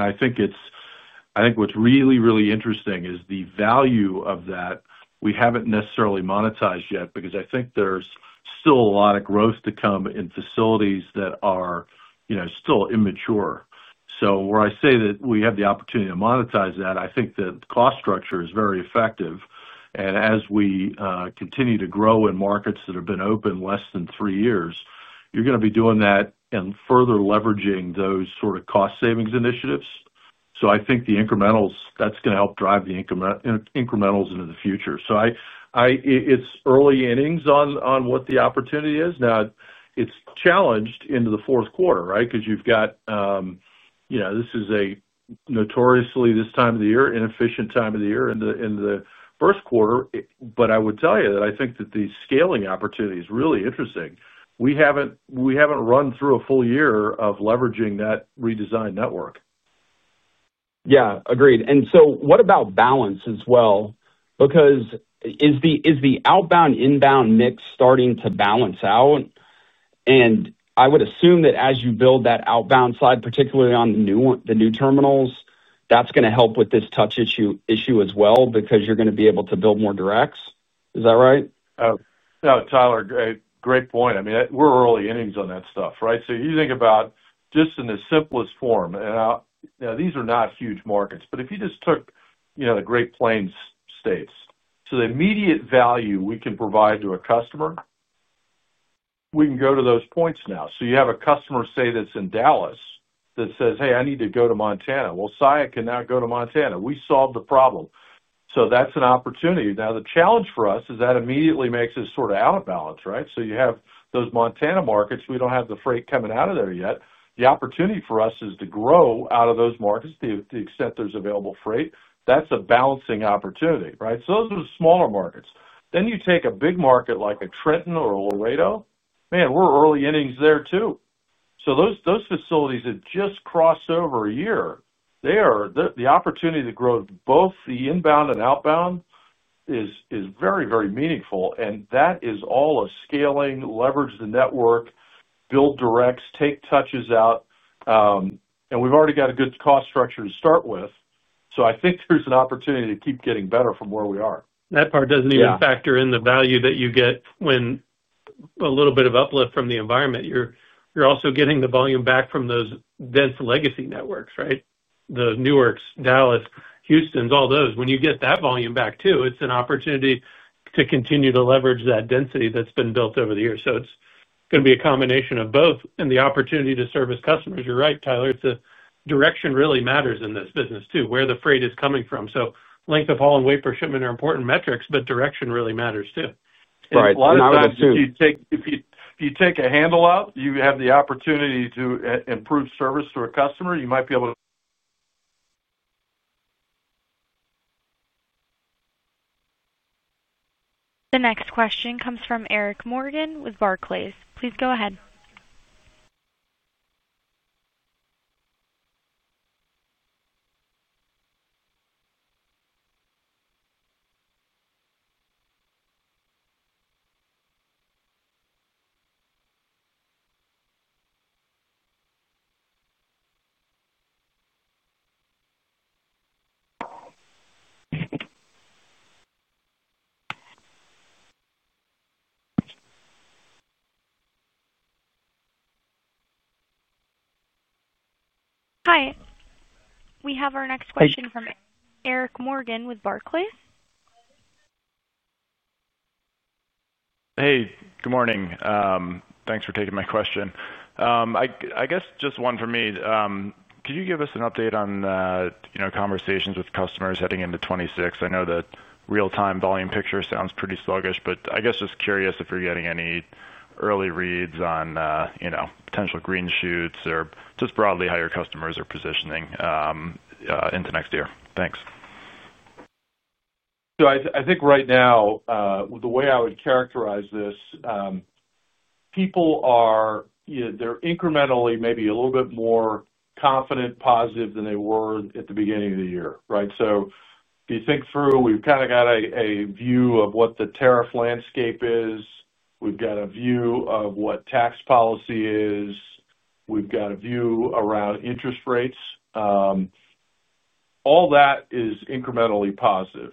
What's really, really interesting is the value of that we haven't necessarily monetized yet because I think there's still a lot of growth to come in facilities that are still immature. Where I say that we have the opportunity to monetize that, I think that cost structure is very effective. As we continue to grow in markets that have been open less than three years, you're going to be doing that and further leveraging those sort of cost savings initiatives. I think the incrementals, that's going to help drive the incrementals into the future. It's early innings on what the opportunity is. Now it's challenged into the fourth quarter, right, because you've got, you know, this is a notoriously, this time of the year, inefficient time of the year in the first quarter. I would tell you that I think that the scaling opportunity is really interesting. We haven't run through a full year of leveraging that redesigned network. Yeah, agreed. What about balance as well? Is the outbound, inbound mix starting to balance out? I would assume that as you build that outbound side, particularly on the new terminals, that's going to help with this touch issue as well because you're going to be able to build more directs. Is that right? Tyler Great point. I mean, we're early innings on that stuff, right? You think about just in the simplest form, these are not huge markets, but if you just took, you know, the Great Plains states, the immediate value we can provide to a customer, we can go to those points now. You have a customer say that's in Dallas that says, hey, I need to go to Montana. Saia can now go to Montana. We solved the problem. That's an opportunity. The challenge for us is that immediately makes us sort of out of balance, right? You have those Montana markets. We don't have the freight coming out of there yet. The opportunity for us is to grow out of those markets to the extent there's available freight. That's a balancing opportunity. Those are the smaller markets. You take a big market like a Trenton or Laredo, we're early innings there too. Those facilities have just crossed over a year. The opportunity to grow both the inbound and outbound is very, very meaningful. That is all a scaling leverage, the network build directs, take touches out. We've already got a good cost structure to start with. I think there's an opportunity to keep getting better from where we are. That part doesn't even factor in the value that you get when a little bit of uplift from the environment. You're also getting the volume back from those dense legacy networks, right? The Newarks, Dallas, Houston, all those. When you get that volume back too, it's an opportunity to continue to leverage that density that's been built over the years. It's going to be a combination of both and the opportunity to service customers. You're right, Tyler. It's a direction really matters in this business too, where the freight is coming from. So length of haul and wafer shipment are important metrics. Direction really matters too. Right? If you take a handle out, you have the opportunity to improve service to a customer. You might be able to. The next question comes from Eric Morgan with Barclays. Please go ahead. Hi, we have our next question from Eric Morgan with Barclays. Hey, good morning. Thanks for taking my question. I guess just one for me. Could you give us an update on conversations with customers heading into 2026? I know that real time volume picture sounds pretty sluggish, but I guess just curious if you're getting any early reads on potential green shoots or just broadly how your customers are positioning into next year. Thanks. I think right now, the way I would characterize this, people are incrementally, maybe a little bit more confident, positive than they were at the beginning of the year. Right. If you think through, we've kind of got a view of what the tariff landscape is, we've got a view of what tax policy is, we've got a view around interest rates. All that is incrementally positive.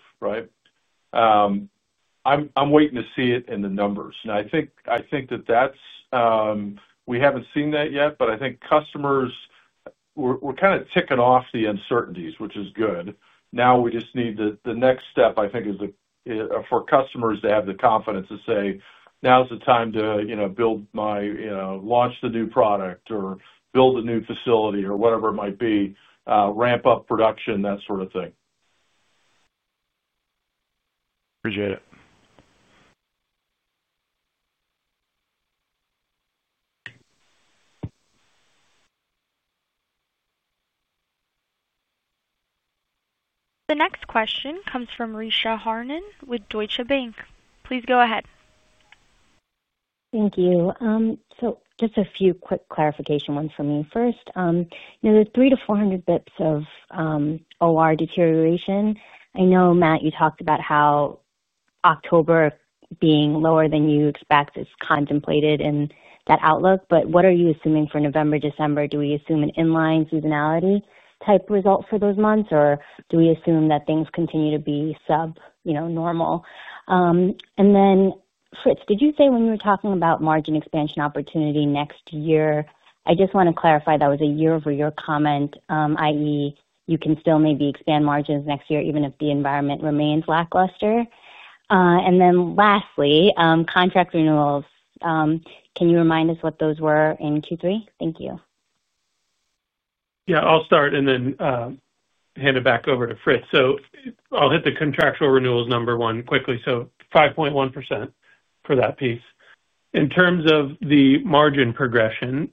I'm waiting to see it in the numbers and I think that that's, we haven't seen that yet. I think customers, we're kind of ticking off the uncertainties, which is good. Now we just need the next step. I think is for customers to have the confidence to say now's the time to, you know, build my, you know, launch the new product or build a new facility or whatever it might be, ramp up production, that sort of thing. Appreciate it. The next question comes from Richa Harnain with Deutsche Bank. Please go ahead. Thank you. Just a few quick clarification ones for me. First, the 300 bps- 400 bps of OR deterioration. I know, Matt, you talked about how October being lower than you expect is. Contemplated in that outlook, what are. You assuming for November, December? Do we assume an in line seasonality? Type result for those months or do. We assume that things continue to be subnormal? Fritz, did you say when you were talking about margin expansion opportunity next year? I just want to clarify that was a year over year comment. That is, you can still maybe expand. Margins next year even if the environment remains lackluster. Lastly, contract renewals, can you. Remind us what those were in Q3? Thank you. Yeah, I'll start and then hand it back over to Fritz. I'll hit the contractual renewals number one quickly. 5.1% for that piece. In terms of the margin progression,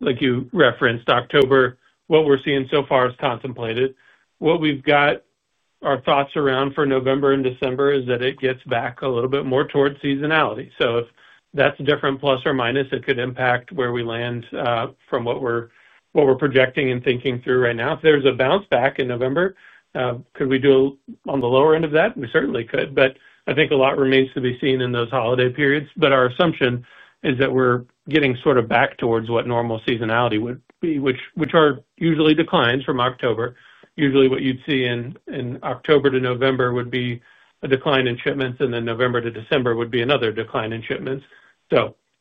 like you referenced October, what we're seeing so far is contemplated. What we've got our thoughts around for November and December is that it gets back a little bit more towards seasonality. If that's different, plus or minus, it could impact where we land from what we're projecting and thinking through right now. If there's a bounce back in November, could we do on the lower end of that? We certainly could, but I think a lot remains to be seen in those holiday periods. Our assumption is that we're getting sort of back towards what normal seasonality would be, which are usually declines from October. Usually what you'd see in October to November would be a decline in shipments and then November to December would be another decline in shipments.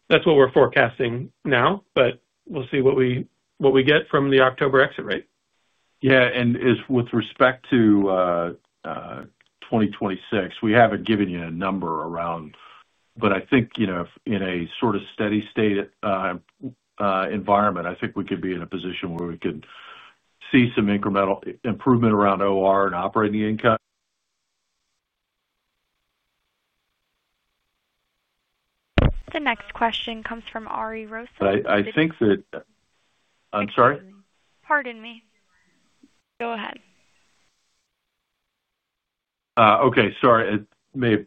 That's what we're forecasting now, but we'll see what we get from the October exit rate. Yeah. With respect to 2026, we haven't given you a number around, but I think, you know, in a sort of steady state environment, I think we could be in a position where we could see some incremental improvement around operating income. The next question comes from Ariel Luis Rosa. I think that. I'm sorry. Pardon me. Go ahead. Okay, sorry. It may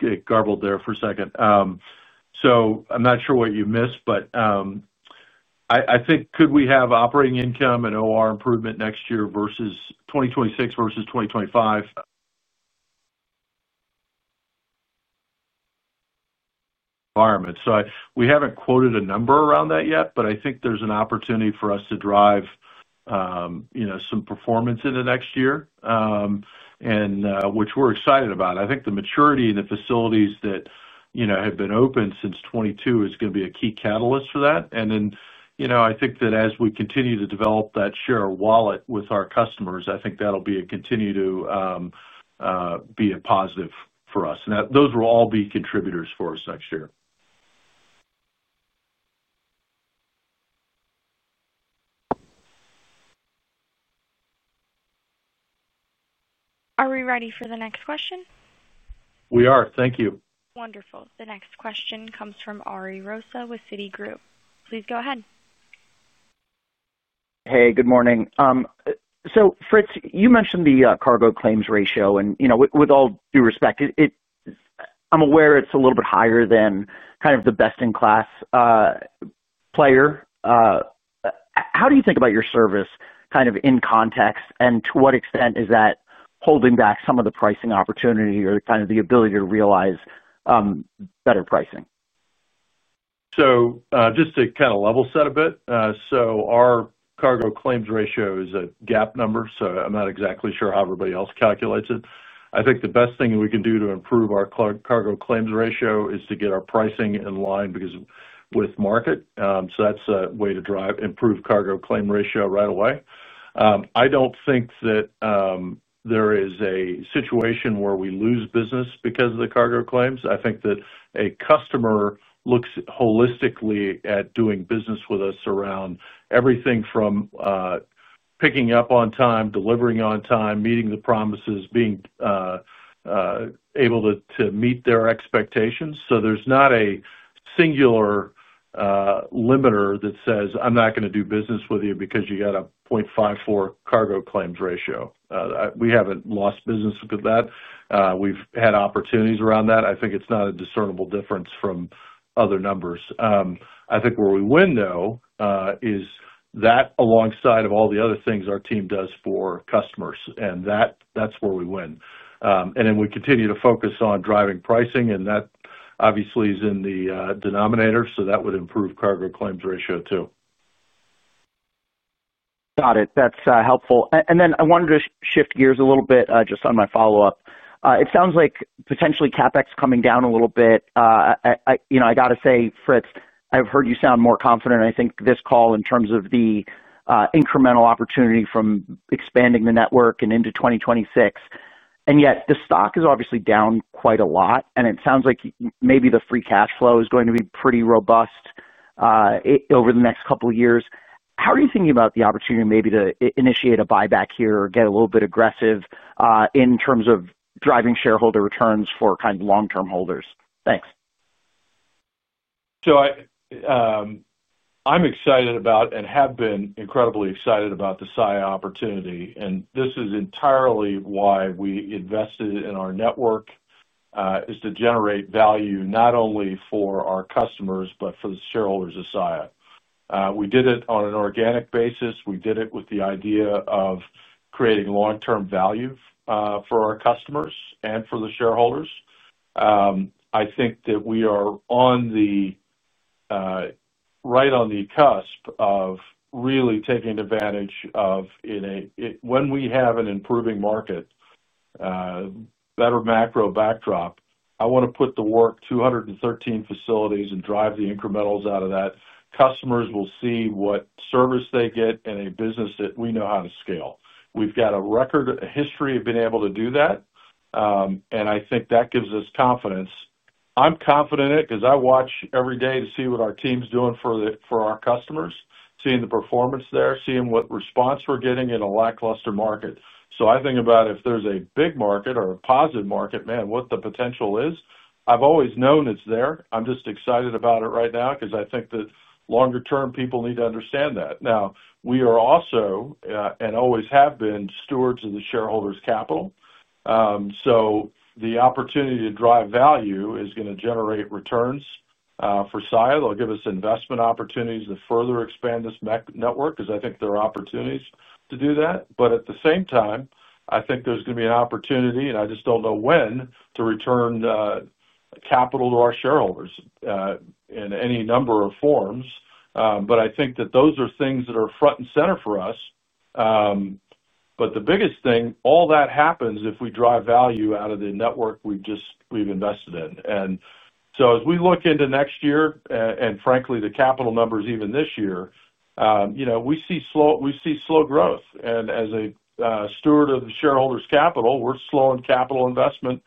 get garbled there for a second. I'm not sure what you missed, but I think could we have operating income and or improvement next year versus 2026 versus 2025? We haven't quoted a number around that yet. I think there's an opportunity for us to drive some performance in the next year, which we're excited about. I think the maturity in the facilities that have been open since 2022 is going to be a key catalyst for that. I think that as we continue to develop that share-of-wallet with our customers, that will continue to be a positive for us and those will all be contributors for us next year. Are we ready for the next question? We are. Thank you. Wonderful. The next question comes from Ariel Rosa with Citigroup. Please go ahead. Hey, good morning. Fritz, you mentioned the cargo claims ratio and, with all due respect, I'm aware it's a little bit higher than kind of the best-in-class player. How do you think about your service in context and to what extent is that holding back some of the pricing opportunity or the ability to realize better pricing? Just to level set a bit, our cargo claims ratio is a GAAP number. I'm not exactly sure how everybody else calculates it. I think the best thing we can do to improve our cargo claims ratio is to get our pricing in line with market. That's a way to drive improved cargo claims ratio right away. I don't think that there is a situation where we lose business because of the cargo claims. I think that a customer looks holistically at doing business with us around everything from picking up on time, delivering on time, meeting the promises, being able to meet their expectations. There's not a singular limiter that says I'm not going to do business with you because you got a 0.54 cargo claims ratio. We haven't lost business with that. We've had opportunities around that. I think it's not a discernible difference from other numbers. Where we win, though, is that alongside all the other things our team does for customers, and that's where we win. We continue to focus on driving pricing, and that obviously is in the denominator, so that would improve cargo claims ratio too. Got it. That's helpful. I wanted to shift gears. A little bit just on my follow-up. It sounds like potentially CapEx coming down a little bit. You know, I got to say, Fritz, I've heard you sound more confident. I think this call in terms of the incremental opportunity from expanding the network and into 2026, and yet the stock is obviously down quite a lot, and it sounds like maybe the free cash flow is going to be pretty robust. Over the next couple of years, how are you thinking about the opportunity? Maybe to initiate a buyback here or get a little bit aggressive in terms of driving shareholder returns for kind of long-term holders. Thanks. I'm excited about and have been incredibly excited about the Saia opportunity, and this is entirely why we invested in our network: to generate value not only for our customers but for the shareholders of Saia. We did it on an organic basis. We did it with the idea of creating long-term value for our customers and for the shareholders. I think that we are on the right, on the cusp of really taking advantage of when we have an improving market, better macro backdrop. I want to put the work, 213 facilities, and drive the incrementals out of that. Customers will see what service they get. In a business that we know how to scale, we've got a record history of being able to do that, and I think that gives us confidence. I'm confident in it because I watch every day to see what our team's doing for our customers, seeing the performance there, seeing what response we're getting in a lackluster market. I think about if there's a big market or a positive market, man, what the potential is. I've always known it's there. I'm just excited about it right now because I think that longer term, people need to understand that now we are also and always have been stewards of the shareholders' capital. The opportunity to drive value is going to generate returns for Saia. They'll give us investment opportunities to further expand this network because I think there are opportunities to do that. At the same time, I think there's going to be an opportunity, and I just don't know when, to return capital to our shareholders in any number of forms. I think that those are things that are front and center for us. The biggest thing, all that happens if we drive value out of the network we've invested in. As we look into next year, and frankly the capital numbers even this year, we see slow growth, and as a steward of the shareholders' capital, we're slowing capital investment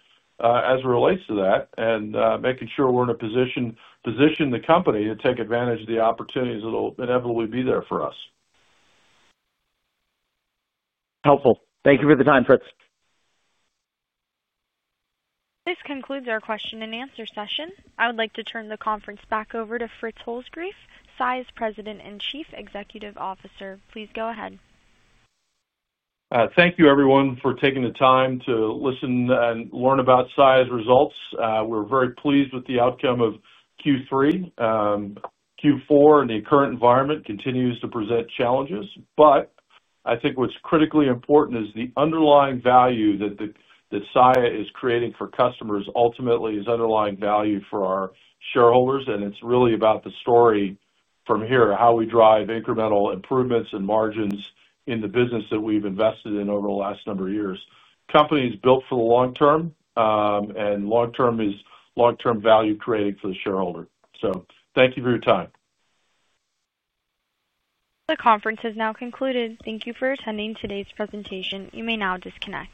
as it relates to that and making sure we're in a position, position the company to take advantage of the opportunities that will inevitably be there for us. Helpful. Thank you for the time, Fritz. This concludes our question and answer session. I would like to turn the conference back over to Fritz Holzgrefe, Saia Inc.'s President and Chief Executive Officer. Please go ahead. Thank you everyone for taking the time to listen and learn about Saia's results. We're very pleased with the outcome of Q3. Q4 in the current environment continues to present challenges. What is critically important is the underlying value that Saia is creating for customers ultimately is underlying value for our shareholders. It's really about the story from here, how we drive incremental improvements and margins in the business that we've invested in over the last number of years. The company is built for the long term, and long term is long term value creating for the shareholder. Thank you for your time. The conference has now concluded. Thank you for attending today's presentation. You may now disconnect.